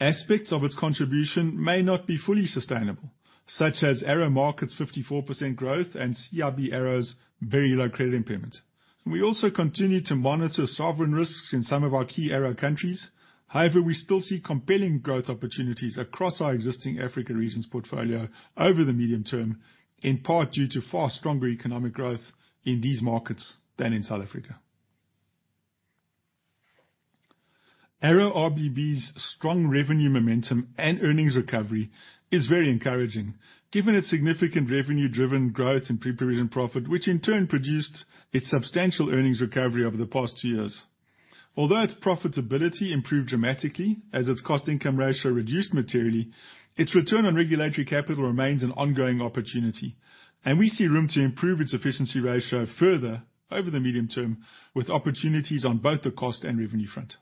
Aspects of its contribution may not be fully sustainable, such as ARO markets' 54% growth and CIB ARO's very low credit impairment. We also continue to monitor sovereign risks in some of our key ARO countries. However, we still see compelling growth opportunities across our existing Africa regions portfolio over the medium term, in part due to far stronger economic growth in these markets than in South Africa. ARO RBB's strong revenue momentum and earnings recovery is very encouraging, given its significant revenue-driven growth and pre-provision profit, which in turn produced its substantial earnings recovery over the past two years. Although its profitability improved dramatically as its cost-income ratio reduced materially, its return on regulatory capital remains an ongoing opportunity, and we see room to improve its efficiency ratio further over the medium term, with opportunities on both the cost and revenue front.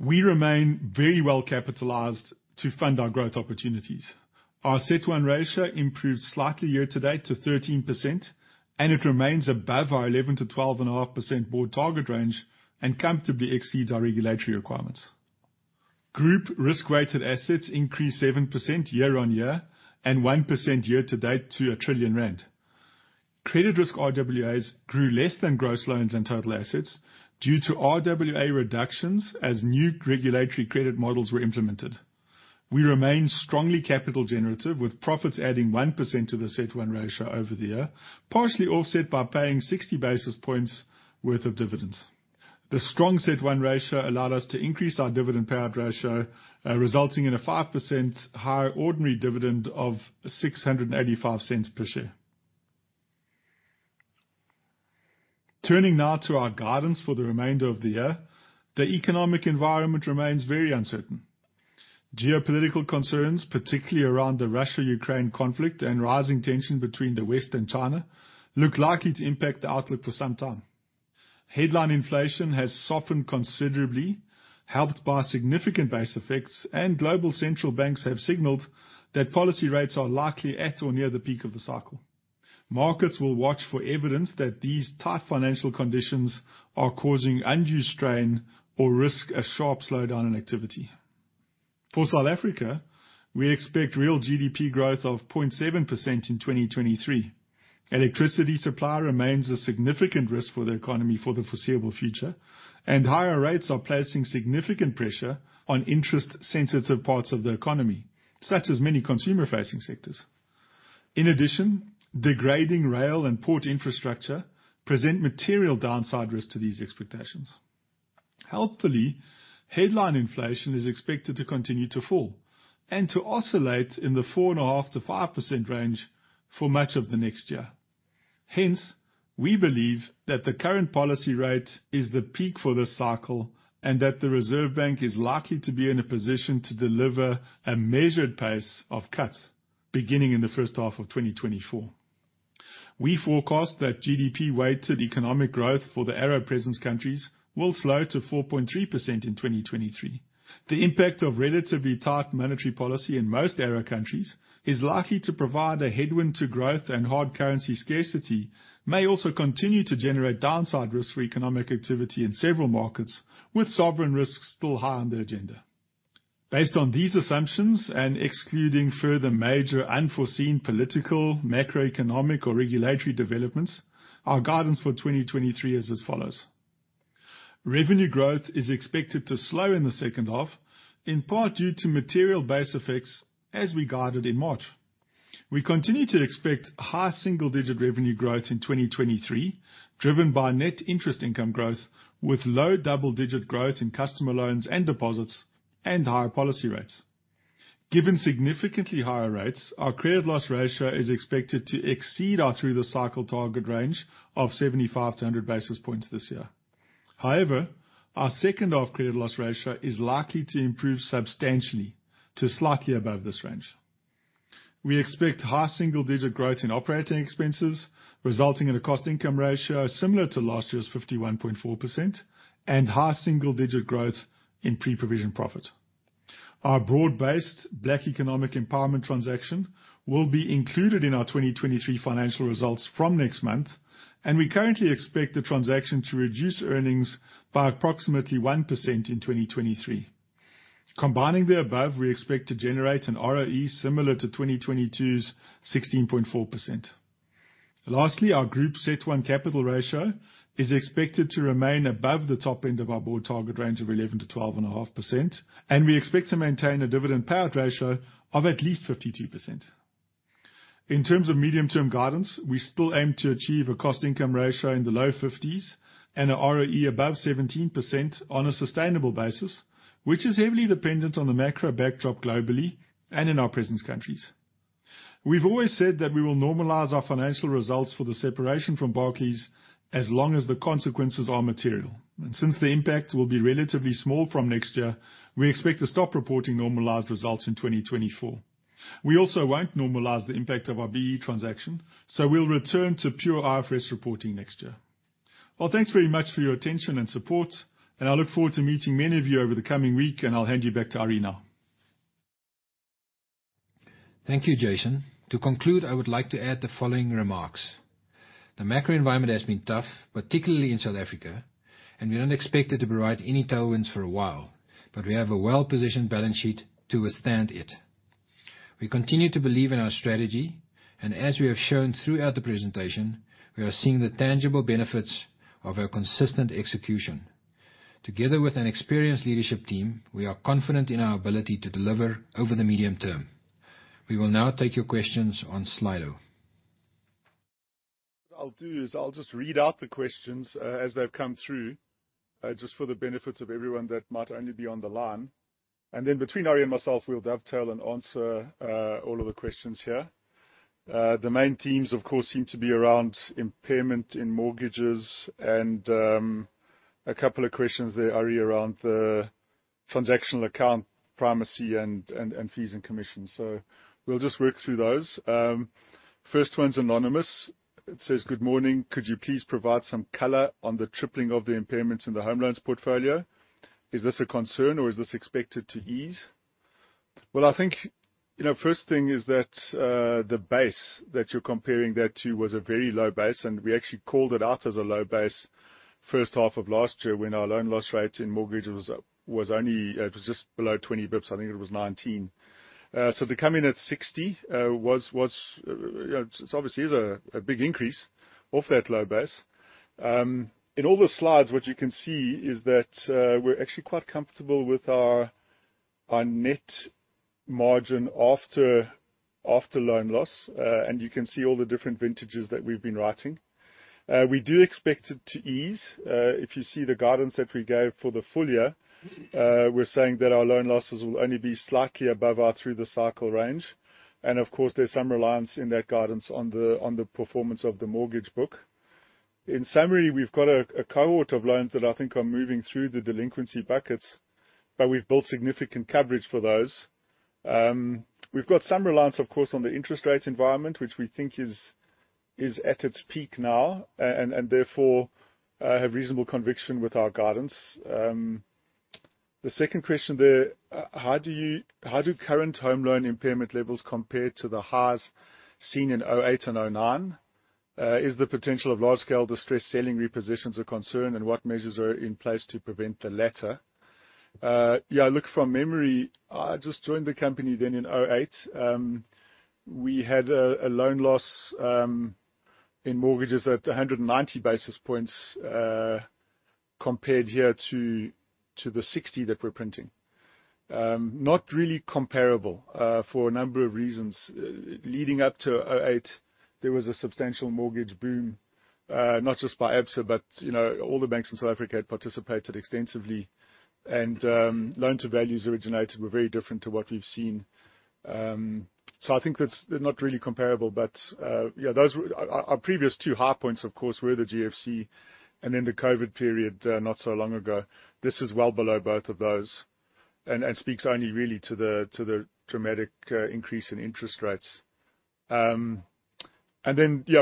We remain very well capitalized to fund our growth opportunities. Our CET1 ratio improved slightly year-to-date to 13%, and it remains above our 11%-12.5% board target range and comfortably exceeds our regulatory requirements. Group risk-weighted assets increased 7% year-on-year and 1% year-to-date to 1 trillion rand. Credit risk RWAs grew less than gross loans and total assets due to RWA reductions as new regulatory credit models were implemented. We remain strongly capital generative, with profits adding 1% to the CET1 ratio over the year, partially offset by paying 60 basis points worth of dividends. The strong CET1 ratio allowed us to increase our dividend payout ratio, resulting in a 5% higher ordinary dividend of 6.85 per share. Turning now to our guidance for the remainder of the year, the economic environment remains very uncertain. Geopolitical concerns, particularly around the Russia-Ukraine conflict and rising tension between the West and China, look likely to impact the outlook for some time. Headline inflation has softened considerably, helped by significant base effects, and global central banks have signaled that policy rates are likely at or near the peak of the cycle. Markets will watch for evidence that these tight financial conditions are causing undue strain or risk a sharp slowdown in activity. For South Africa, we expect real GDP growth of 0.7% in 2023. Electricity supply remains a significant risk for the economy for the foreseeable future, and higher rates are placing significant pressure on interest-sensitive parts of the economy, such as many consumer-facing sectors. In addition, degrading rail and port infrastructure present material downside risk to these expectations. Helpfully, headline inflation is expected to continue to fall and to oscillate in the 4.5%-5% range for much of the next year. We believe that the current policy rate is the peak for this cycle and that the Reserve Bank is likely to be in a position to deliver a measured pace of cuts beginning in the first half of 2024. We forecast that GDP-weighted economic growth for the ARO presence countries will slow to 4.3% in 2023. The impact of relatively tight monetary policy in most ARO countries is likely to provide a headwind to growth, and hard currency scarcity may also continue to generate downside risk for economic activity in several markets, with sovereign risks still high on the agenda. Based on these assumptions, and excluding further major unforeseen political, macroeconomic, or regulatory developments, our guidance for 2023 is as follows: Revenue growth is expected to slow in the second half, in part due to material base effects, as we guided in March. We continue to expect high single-digit revenue growth in 2023, driven by Net Interest Income growth, with low double-digit growth in customer loans and deposits, and higher policy rates. Given significantly higher rates, our credit loss ratio is expected to exceed our through-the-cycle target range of 75 to 100 basis points this year. However, our second half credit loss ratio is likely to improve substantially to slightly above this range. We expect high single-digit growth in operating expenses, resulting in a cost-income ratio similar to last year's 51.4% and high single-digit growth in pre-provision profit. Our broad-based black economic empowerment transaction will be included in our 2023 financial results from next month, and we currently expect the transaction to reduce earnings by approximately 1% in 2023. Combining the above, we expect to generate an ROE similar to 2022's 16.4%. Lastly, our Group CET1 capital ratio is expected to remain above the top end of our board target range of 11%-12.5%, and we expect to maintain a dividend payout ratio of at least 52%. In terms of medium-term guidance, we still aim to achieve a cost-income ratio in the low 50s and an ROE above 17% on a sustainable basis, which is heavily dependent on the macro backdrop globally and in our presence countries. We've always said that we will normalize our financial results for the separation from Barclays as long as the consequences are material. Since the impact will be relatively small from next year, we expect to stop reporting normalized results in 2024. We also won't normalize the impact of our B-BBEE transaction, so we'll return to pure RFS reporting next year. Well, thanks very much for your attention and support, and I look forward to meeting many of you over the coming week, and I'll hand you back to Ari now. Thank you, Jason. To conclude, I would like to add the following remarks. The macro environment has been tough, particularly in South Africa, and we don't expect it to provide any tailwinds for a while, but we have a well-positioned balance sheet to withstand it. We continue to believe in our strategy, and as we have shown throughout the presentation, we are seeing the tangible benefits of our consistent execution. Together with an experienced leadership team, we are confident in our ability to deliver over the medium term. We will now take your questions on Slido. What I'll do is I'll just read out the questions, as they've come through, just for the benefits of everyone that might only be on the line. Then between Ari and myself, we'll dovetail and answer, all of the questions here. The main themes, of course, seem to be around impairment in mortgages and, a couple of questions there, Ari, around the transactional account, primacy and, and, fees and commissions. We'll just work through those. First one's anonymous. It says, "Good morning. Could you please provide some color on the tripling of the impairments in the home loans portfolio? Is this a concern or is this expected to ease? I think, you know, first thing is that the base that you're comparing that to was a very low base, and we actually called it out as a low base first half of last year when our loan loss rate in mortgages was, was only, it was just below 20 bps. I think it was 19. So to come in at 60, was, it's obviously is a big increase off that low base. In all the slides, what you can see is that we're actually quite comfortable with our net margin after loan loss. And you can see all the different vintages that we've been writing. We do expect it to ease. If you see the guidance that we gave for the full year, we're saying that our loan losses will only be slightly above our through-the-cycle range. Of course, there's some reliance in that guidance on the, on the performance of the mortgage book. In summary, we've got a, a cohort of loans that I think are moving through the delinquency buckets, but we've built significant coverage for those. We've got some reliance, of course, on the interest rate environment, which we think is, is at its peak now, and, and therefore, have reasonable conviction with our guidance. The second question there: How do current home loan impairment levels compare to the highs seen in 2008 and 2009? Is the potential of large-scale distress selling repossessions a concern, and what measures are in place to prevent the latter? Yeah, look, from memory, I just joined the company then in 2008. We had a, a loan loss, in mortgages at 190 basis points, compared here to, to the 60 that we're printing. Not really comparable, for a number of reasons. Leading up to 2008, there was a substantial mortgage boom, not just by Absa, but, you know, all the banks in South Africa had participated extensively, loan-to-values originated were very different to what we've seen. I think that's, they're not really comparable, but, yeah, those were... Our, our previous two high points, of course, were the GFC and then the COVID period, not so long ago. This is well below both of those and, and speaks only really to the, to the dramatic, increase in interest rates. Yeah,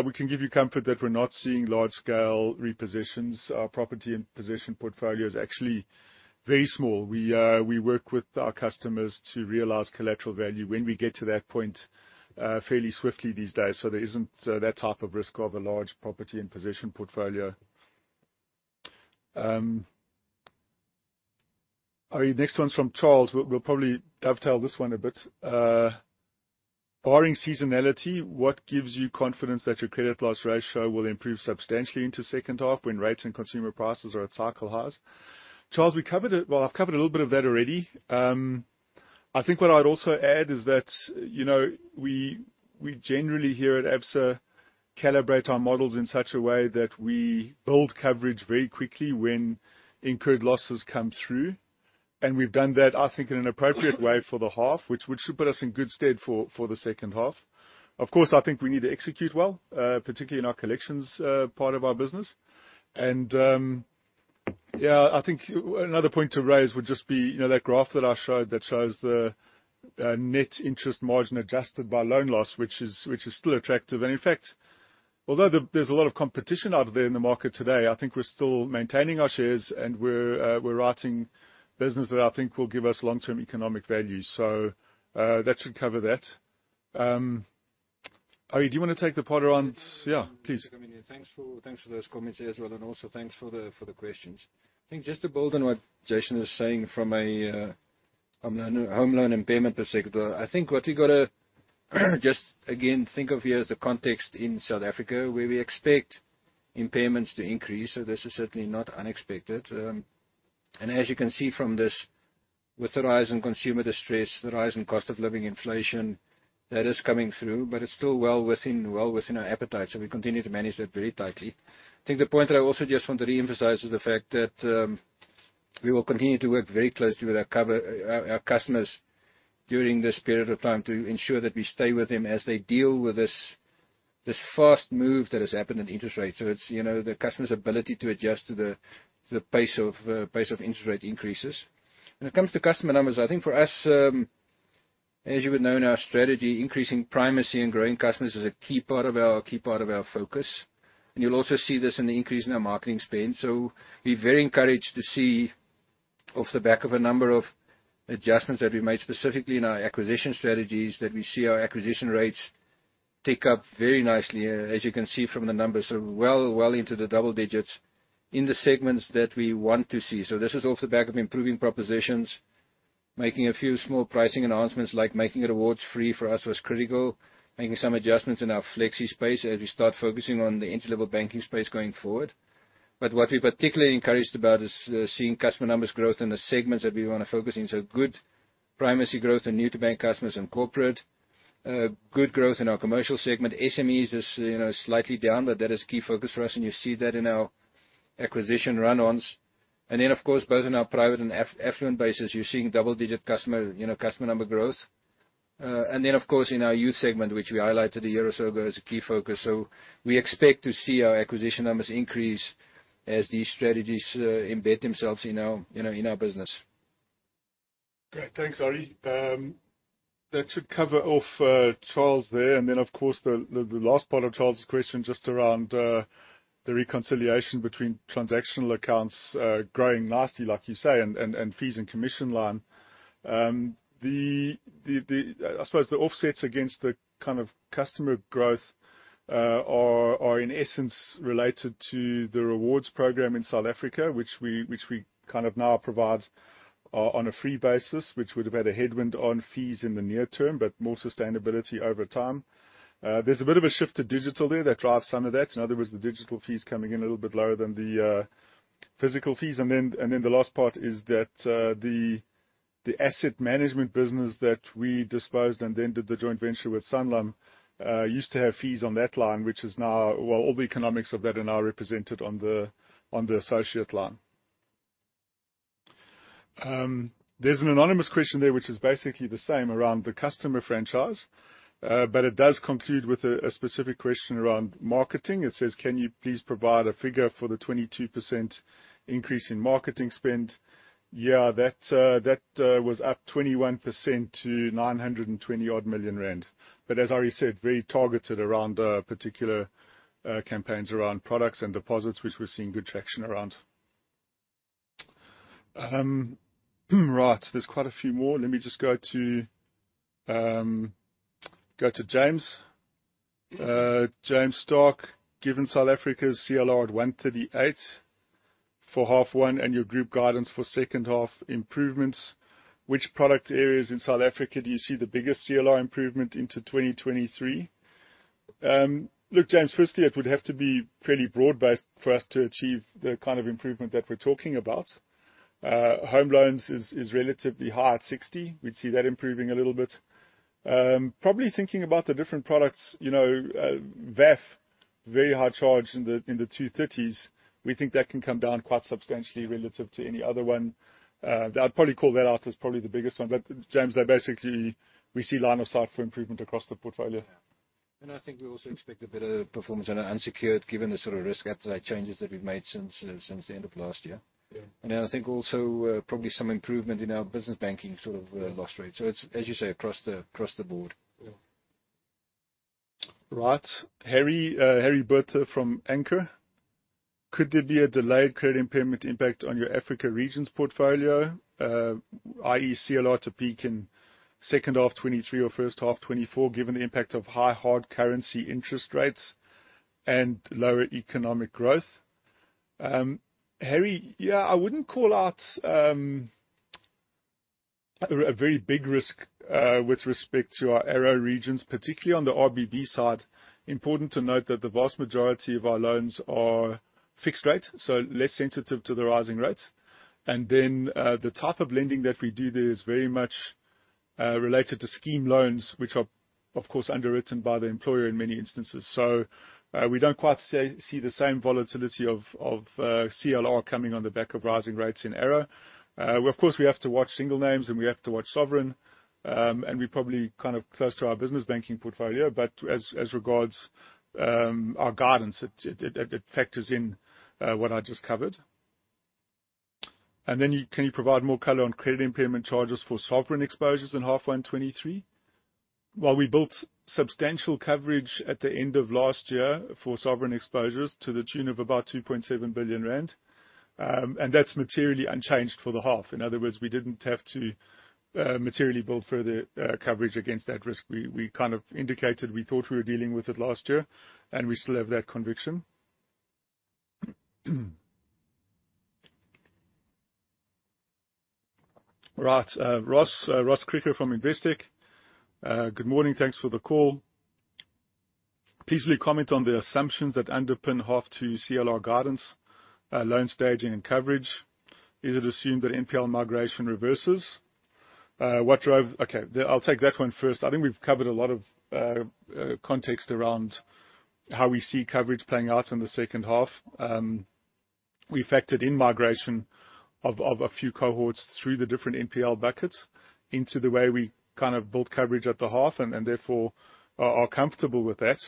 we can give you comfort that we're not seeing large-scale repossessions. Our property and possession portfolio is actually very small. We, we work with our customers to realize collateral value when we get to that point, fairly swiftly these days, so there isn't that type of risk of a large property and possession portfolio. Ari, next one's from Charles. We'll, we'll probably dovetail this one a bit. Barring seasonality, what gives you confidence that your credit loss ratio will improve substantially into second half, when rates and consumer prices are at cycle highs? Charles, we covered it. Well, I've covered a little bit of that already. I think what I'd also add is that, you know, we, we generally, here at Absa, calibrate our models in such a way that we build coverage very quickly when incurred losses come through. We've done that, I think, in an appropriate way for the half, which, which should put us in good stead for, for the second half. Of course, I think we need to execute well, particularly in our collections, part of our business. Yeah, I think another point to raise would just be, you know, that graph that I showed that shows the net interest margin adjusted by loan loss, which is, which is still attractive. In fact, although there, there's a lot of competition out there in the market today, I think we're still maintaining our shares, and we're, we're writing business that I think will give us long-term economic value. That should cover that. Ari, do you want to take the part around- yeah, please. Thanks for, thanks for those comments as well, also thanks for the, for the questions. I think just to build on what Jason is saying from a home loan impairment perspective, I think what we've got to, just again think of here is the context in South Africa, where we expect impairments to increase, so this is certainly not unexpected. As you can see from this, with the rise in consumer distress, the rise in cost of living inflation, that is coming through, but it's still well within, well within our appetite, so we continue to manage that very tightly. I think the point that I also just want to reemphasize is the fact that we will continue to work very closely with our cover, our customers during this period of time, to ensure that we stay with them as they deal with this, this fast move that has happened in interest rates. It's, you know, the customer's ability to adjust to the, to the pace of pace of interest rate increases. When it comes to customer numbers, I think for us, as you would know in our strategy, increasing primacy and growing customers is a key part of our, key part of our focus. You'll also see this in the increase in our marketing spend. We're very encouraged to see, off the back of a number of adjustments that we made specifically in our acquisition strategies, that we see our acquisition rates tick up very nicely, as you can see from the numbers, so well, well into the double digits in the segments that we want to see. This is off the back of improving propositions, making a few small pricing announcements, like making it Rewards-free for us was critical, making some adjustments in our Flexi space as we start focusing on the entry-level banking space going forward. What we're particularly encouraged about is seeing customer numbers growth in the segments that we want to focus in. Good primacy growth in new-to-bank customers and corporate. Good growth in our Commercial segment. SMEs is, you know, slightly down, but that is a key focus for us, and you see that in our acquisition run-ons. Then, of course, both in our private and affluent bases, you're seeing double-digit customer, you know, customer number growth. Then, of course, in our Youth segment, which we highlighted a year or so ago as a key focus. We expect to see our acquisition numbers increase as these strategies embed themselves in our business. Great. Thanks, Ari. That should cover off Charles there. Then, of course, the, the, the last part of Charles's question, just around the reconciliation between transactional accounts, growing nicely, like you say, and, and, and fees and commission line. The, the, the, I suppose the offsets against the kind of customer growth are, are, in essence, related to the Absa Rewards program in South Africa, which we, which we kind of now provide on a free basis, which would have had a headwind on fees in the near term, but more sustainability over time. There's a bit of a shift to digital there that drives some of that. In other words, the digital fees coming in a little bit lower than the physical fees. Then, and then the last part is that the, the Asset Management business that we disposed and then did the joint venture with Sanlam, used to have fees on that line, which is now. Well, all the economics of that are now represented on the, on the associate line. There's an anonymous question there, which is basically the same around the customer franchise, but it does conclude with a, a specific question around marketing. It says: Can you please provide a figure for the 22% increase in marketing spend? Yeah, that, that, was up 21% to 920-odd million rand. As Ari said, very targeted around particular campaigns, around products and deposits, which we're seeing good traction around. Right, there's quite a few more. Let me just go to, go to James. James Stark: Given South Africa's CLR at 138 for H1, and your group guidance for H2 improvements, which product areas in South Africa do you see the biggest CLR improvement into 2023? Look, James, firstly, it would have to be fairly broad-based for us to achieve the kind of improvement that we're talking about. Home loans is, is relatively high at 60. We'd see that improving a little bit. Probably thinking about the different products, you know, VAF, very high charge in the, in the 230s, we think that can come down quite substantially relative to any other one. I'd probably call that out as probably the biggest one, but James, that basically we see line of sight for improvement across the portfolio. I think we also expect a better performance on our unsecured, given the sort of risk appetite changes that we've made since, since the end of last year. Yeah. I think also, probably some improvement in our business banking sort of, loss rate. It's, as you say, across the, across the board. Yeah. Right. Harry Botha from Anchor Capital: Could there be a delayed credit impairment impact on your Africa regions portfolio, i.e., CLR to peak in second half 2023 or first half 2024, given the impact of high hard currency interest rates and lower economic growth? Harry, yeah, I wouldn't call out a very big risk with respect to our ARO regions, particularly on the RBB side. Important to note that the vast majority of our loans are fixed rate, less sensitive to the rising rates. The type of lending that we do there is very much related to scheme loans, which are, of course, underwritten by the employer in many instances. We don't quite see the same volatility of CLR coming on the back of rising rates in ARO. Of course, we have to watch single names, and we have to watch sovereign, and we probably kind of close to our business banking portfolio. As, as regards, our guidance, it, it, it, it factors in what I just covered. Can you provide more color on credit impairment charges for sovereign exposures in half 1, 2023? Well, we built substantial coverage at the end of last year for sovereign exposures to the tune of about 2.7 billion rand, and that's materially unchanged for the half. In other words, we didn't have to materially build further coverage against that risk. We, we kind of indicated we thought we were dealing with it last year, and we still have that conviction. Right. Ross, Ross Krige from Investec. Good morning. Thanks for the call. Please comment on the assumptions that underpin H1 CLR guidance, loan staging and coverage. Is it assumed that NPL migration reverses? Okay, I'll take that one first. I think we've covered a lot of context around how we see coverage playing out in the second half. We factored in migration of a few cohorts through the different NPL buckets into the way we kind of built coverage at the half and therefore are comfortable with that.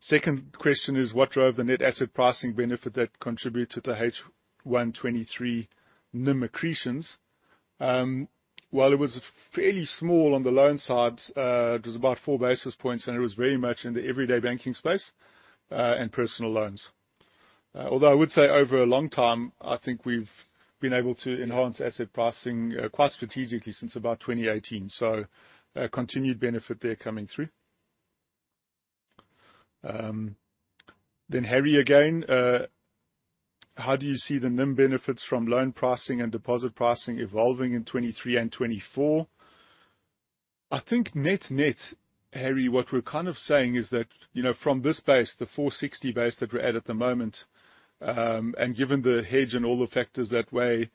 Second question is, what drove the net asset pricing benefit that contributed to H1 2023 NIM accretions? Well, it was fairly small on the loan side. It was about four basis points, and it was very much in the everyday banking space and personal loans. Although I would say over a long time, I think we've been able to enhance asset pricing, quite strategically since about 2018, continued benefit there coming through. Harry again. How do you see the NIM benefits from loan pricing and deposit pricing evolving in 2023 and 2024? I think net-net, Harry, what we're kind of saying is that, you know, from this base, the 460 base that we're at, at the moment, and given the hedge and all the factors that way,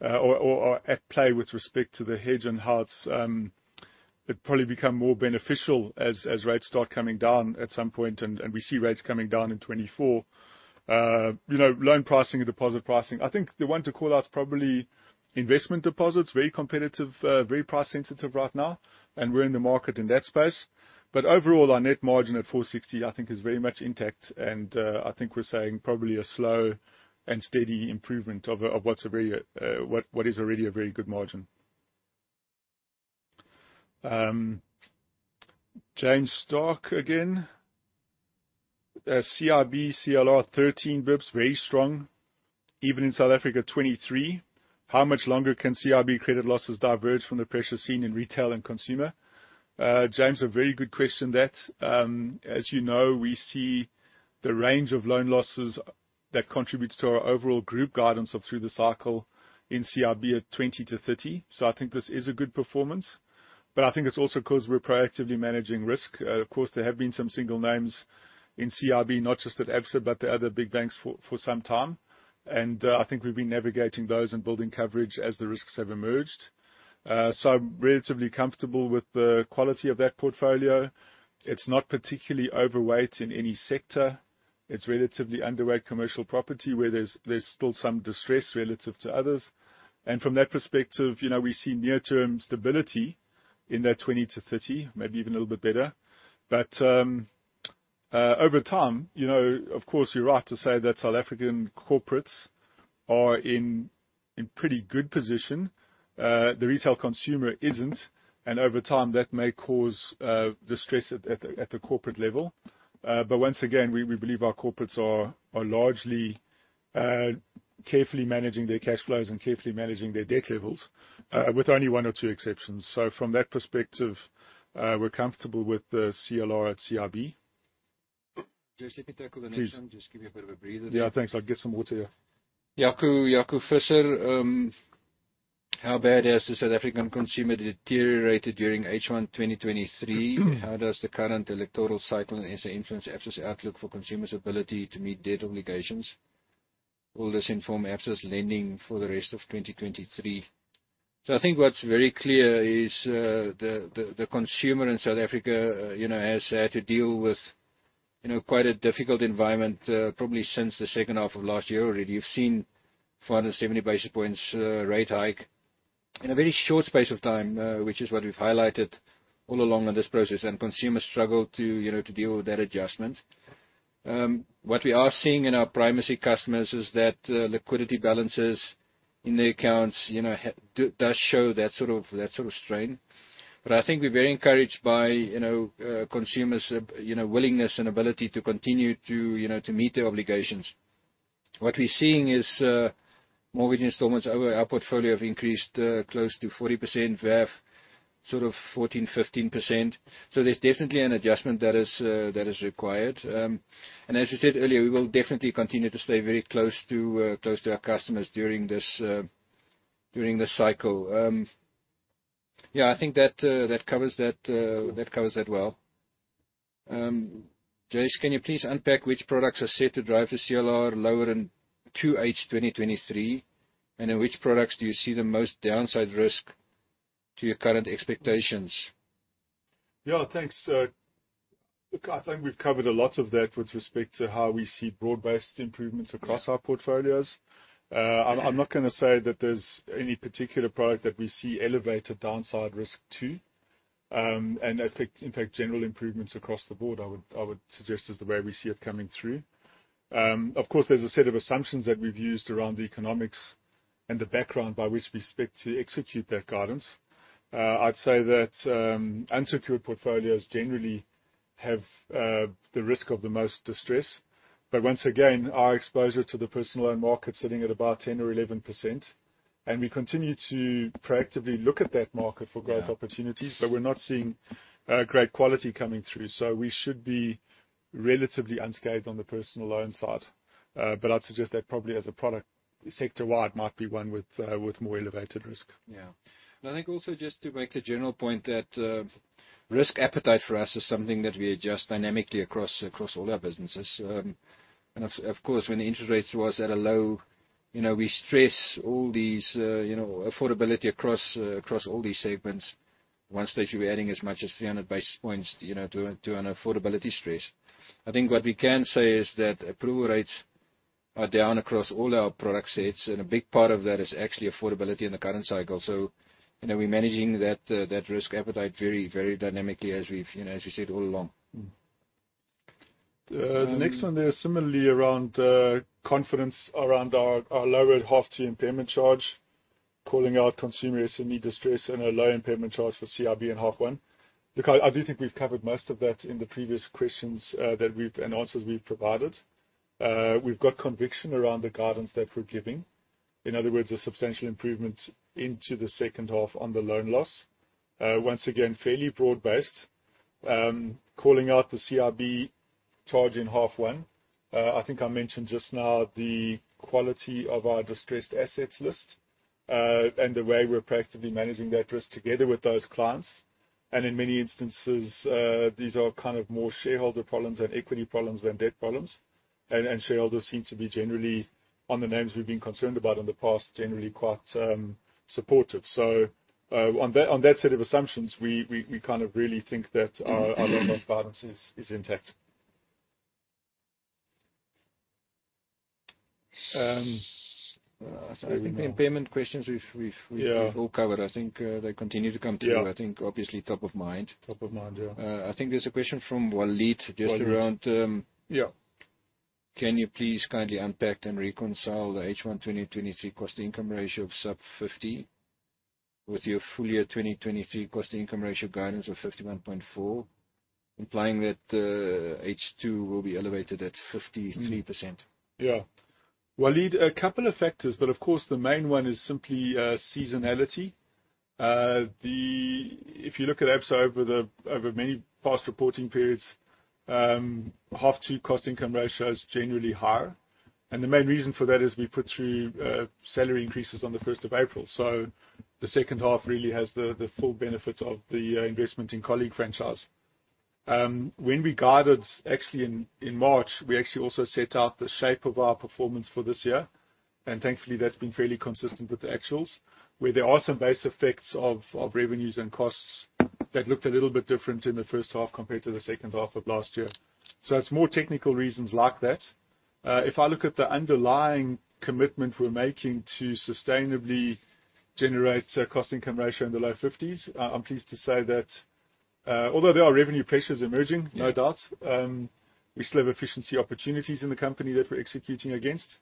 at play with respect to the hedge and huts, it probably become more beneficial as rates start coming down at some point, we see rates coming down in 2024. You know, loan pricing and deposit pricing, I think the one to call out is probably investment deposits. Very competitive, very price sensitive right now, we're in the market in that space. Overall, our net margin at 4.60%, I think, is very much intact, I think we're saying probably a slow and steady improvement of what is already a very good margin. James Stark again. CIB, CLR, 13 basis points, very strong, even in South Africa, 23%. How much longer can CIB credit losses diverge from the pressure seen in retail and consumer? James, a very good question, that. As you know, we see the range of loan losses that contributes to our overall group guidance of through the cycle in CIB at 20-30%. I think this is a good performance, I think it's also 'cause we're proactively managing risk. Of course, there have been some single names in CIB, not just at Absa, but the other big banks for, for some time. I think we've been navigating those and building coverage as the risks have emerged. So I'm relatively comfortable with the quality of that portfolio. It's not particularly overweight in any sector. It's relatively underweight commercial property, where there's, there's still some distress relative to others. From that perspective, you know, we see near-term stability in that 20-30, maybe even a little bit better. Over time, you know, of course, you're right to say that South African corporates are in pretty good position. The retail consumer isn't, and over time, that may cause distress at, at, at the corporate level. Once again, we, we believe our corporates are largely carefully managing their cash flows and carefully managing their debt levels, with only one or two exceptions. From that perspective, we're comfortable with the CLR at CIB. Jason, can you tackle the next one? Please. Just give you a bit of a breather. Yeah, thanks. I'll get some water here. Jaco, Jaco Visser. How bad has the South African consumer deteriorated during H1 2023? How does the current electoral cycle as it influence Absa's outlook for consumers' ability to meet debt obligations? Will this inform Absa's lending for the rest of 2023? I think what's very clear is, the, the, the consumer in South Africa, you know, has had to deal with, you know, quite a difficult environment, probably since the second half of last year already. You've seen 470 basis points rate hike in a very short space of time, which is what we've highlighted all along in this process, and consumers struggle to, you know, to deal with that adjustment. What we are seeing in our primacy customers is that liquidity balances in their accounts, you know, does show that sort of, that sort of strain. I think we're very encouraged by, you know, consumers' you know, willingness and ability to continue to, you know, to meet their obligations. What we're seeing is mortgage installments over our portfolio have increased close to 40%, VAF, sort of 14%-15%. There's definitely an adjustment that is that is required. As I said earlier, we will definitely continue to stay very close to close to our customers during this during this cycle. Yeah, I think that that covers that that covers that well. Jason, can you please unpack which products are set to drive the CLR lower in 2H 2023, and in which products do you see the most downside risk to your current expectations? Yeah, thanks, sir. Look, I think we've covered a lot of that with respect to how we see broad-based improvements across our portfolios. I'm, I'm not gonna say that there's any particular product that we see elevated downside risk to. I think, in fact, general improvements across the board, I would, I would suggest, is the way we see it coming through. Of course, there's a set of assumptions that we've used around the economics and the background by which we expect to execute that guidance. I'd say that unsecured portfolios generally have the risk of the most distress. Once again, our exposure to the personal loan market sitting at about 10% or 11%, and we continue to proactively look at that market for growth opportunities- Yeah. We're not seeing great quality coming through, so we should be relatively unscathed on the personal loan side. I'd suggest that probably as a product, sector-wide might be one with more elevated risk. Yeah. I think also just to make the general point that risk appetite for us is something that we adjust dynamically across, across all our businesses. Of course, when the interest rate was at a low, you know, we stress all these, you know, affordability across, across all these segments. Once they should be adding as much as 300 basis points, you know, to an affordability stress. I think what we can say is that approval rates are down across all our product sets, and a big part of that is actually affordability in the current cycle. You know, we're managing that risk appetite very, very dynamically, as we've, you know, as we said all along. The next one there, similarly, around confidence around our, our lower half-term impairment charge, calling out consumer SME distress and a low impairment charge for CIB in half one. Look, I, I do think we've covered most of that in the previous questions that we've, and answers we've provided. We've got conviction around the guidance that we're giving. In other words, a substantial improvement into the second half on the loan loss. Once again, fairly broad-based. Calling out the CIB charge in half one, I think I mentioned just now the quality of our distressed assets list, and the way we're proactively managing that risk together with those clients. And in many instances, these are kind of more shareholder problems and equity problems than debt problems. Shareholders seem to be generally, on the names we've been concerned about in the past, generally quite supportive. On that, on that set of assumptions, we, we, we kind of really think that our, our loss guidance is, is intact. I think the impairment questions we've. Yeah -we've all covered. I think, they continue to come through. Yeah. I think obviously top of mind. Top of mind, yeah. I think there's a question from Waleed. Waleed. Just around Yeah. Can you please kindly unpack and reconcile the H1 2023 cost income ratio of sub 50% with your full year 2023 cost income ratio guidance of 51.4%, implying that H2 will be elevated at 53%? Mm-hmm. Yeah. Waleed, a couple of factors, of course, the main one is simply seasonality. If you look at Absa over many past reporting periods, half 2 cost income ratio is generally higher. The main reason for that is we put through salary increases on the 1st of April. The 2nd half really has the full benefits of the investment in colleague franchise. When we guided, actually, in March, we actually also set out the shape of our performance for this year. Thankfully, that's been fairly consistent with the actuals, where there are some base effects of revenues and costs that looked a little bit different in the 1st half compared to the 2nd half of last year. It's more technical reasons like that. If I look at the underlying commitment we're making to sustainably generate a cost income ratio in the low fifties, I'm pleased to say that. Although there are revenue pressures emerging, no doubt. We still have efficiency opportunities in the company that we're executing against.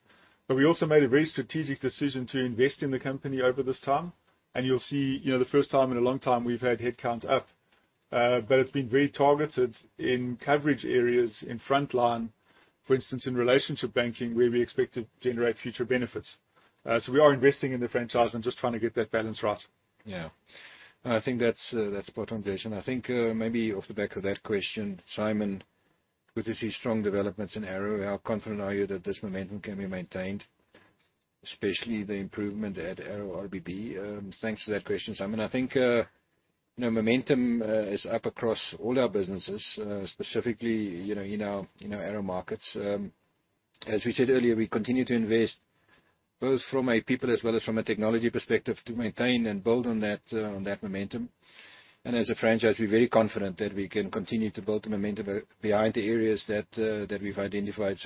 We also made a very strategic decision to invest in the company over this time, and you'll see, you know, the first time in a long time we've had headcount up. But it's been very targeted in coverage areas, in frontline, for instance, in relationship banking, where we expect to generate future benefits. We are investing in the franchise and just trying to get that balance right. Yeah. I think that's, that's spot on, Les. I think, maybe off the back of that question, Simon, with these strong developments in ARO, how confident are you that this momentum can be maintained, especially the improvement at ARO RBB? Thanks for that question, Simon. I think, you know, momentum is up across all our businesses, specifically, you know, in our, you know, ARO markets. As we said earlier, we continue to invest, both from a people as well as from a technology perspective, to maintain and build on that, on that momentum. As a franchise, we're very confident that we can continue to build the momentum behind the areas that we've identified.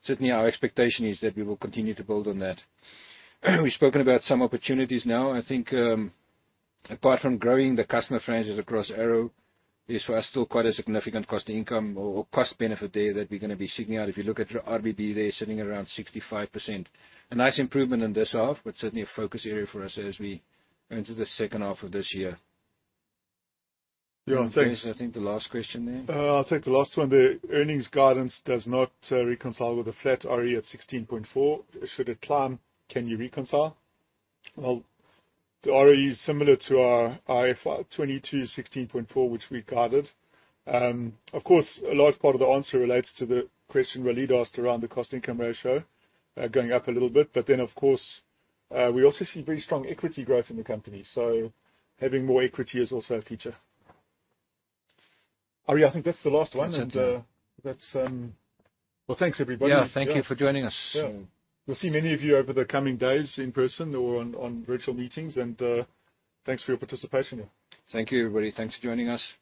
Certainly, our expectation is that we will continue to build on that. We've spoken about some opportunities now. I think, apart from growing the customer franchises across ARO, there's still quite a significant cost income or, or cost benefit there that we're gonna be seeking out. If you look at RBB there, sitting at around 65%. A nice improvement in this half, but certainly a focus area for us as we go into the second half of this year. Yeah. Thanks. I think the last question there. I'll take the last one. The earnings guidance does not reconcile with a flat ROE at 16.4%. Should it climb, can you reconcile? Well, the ROE is similar to our FY 2022, 16.4%, which we guided. Of course, a large part of the answer relates to the question Waleed asked around the cost-income ratio going up a little bit. Then, of course, we also see very strong equity growth in the company, so having more equity is also a feature. Ari, I think that's the last one. Certainly. That's. Well, thanks, everybody. Yeah. Thank you for joining us. Yeah. We'll see many of you over the coming days in person or on, on virtual meetings, and, thanks for your participation here. Thank you, everybody. Thanks for joining us.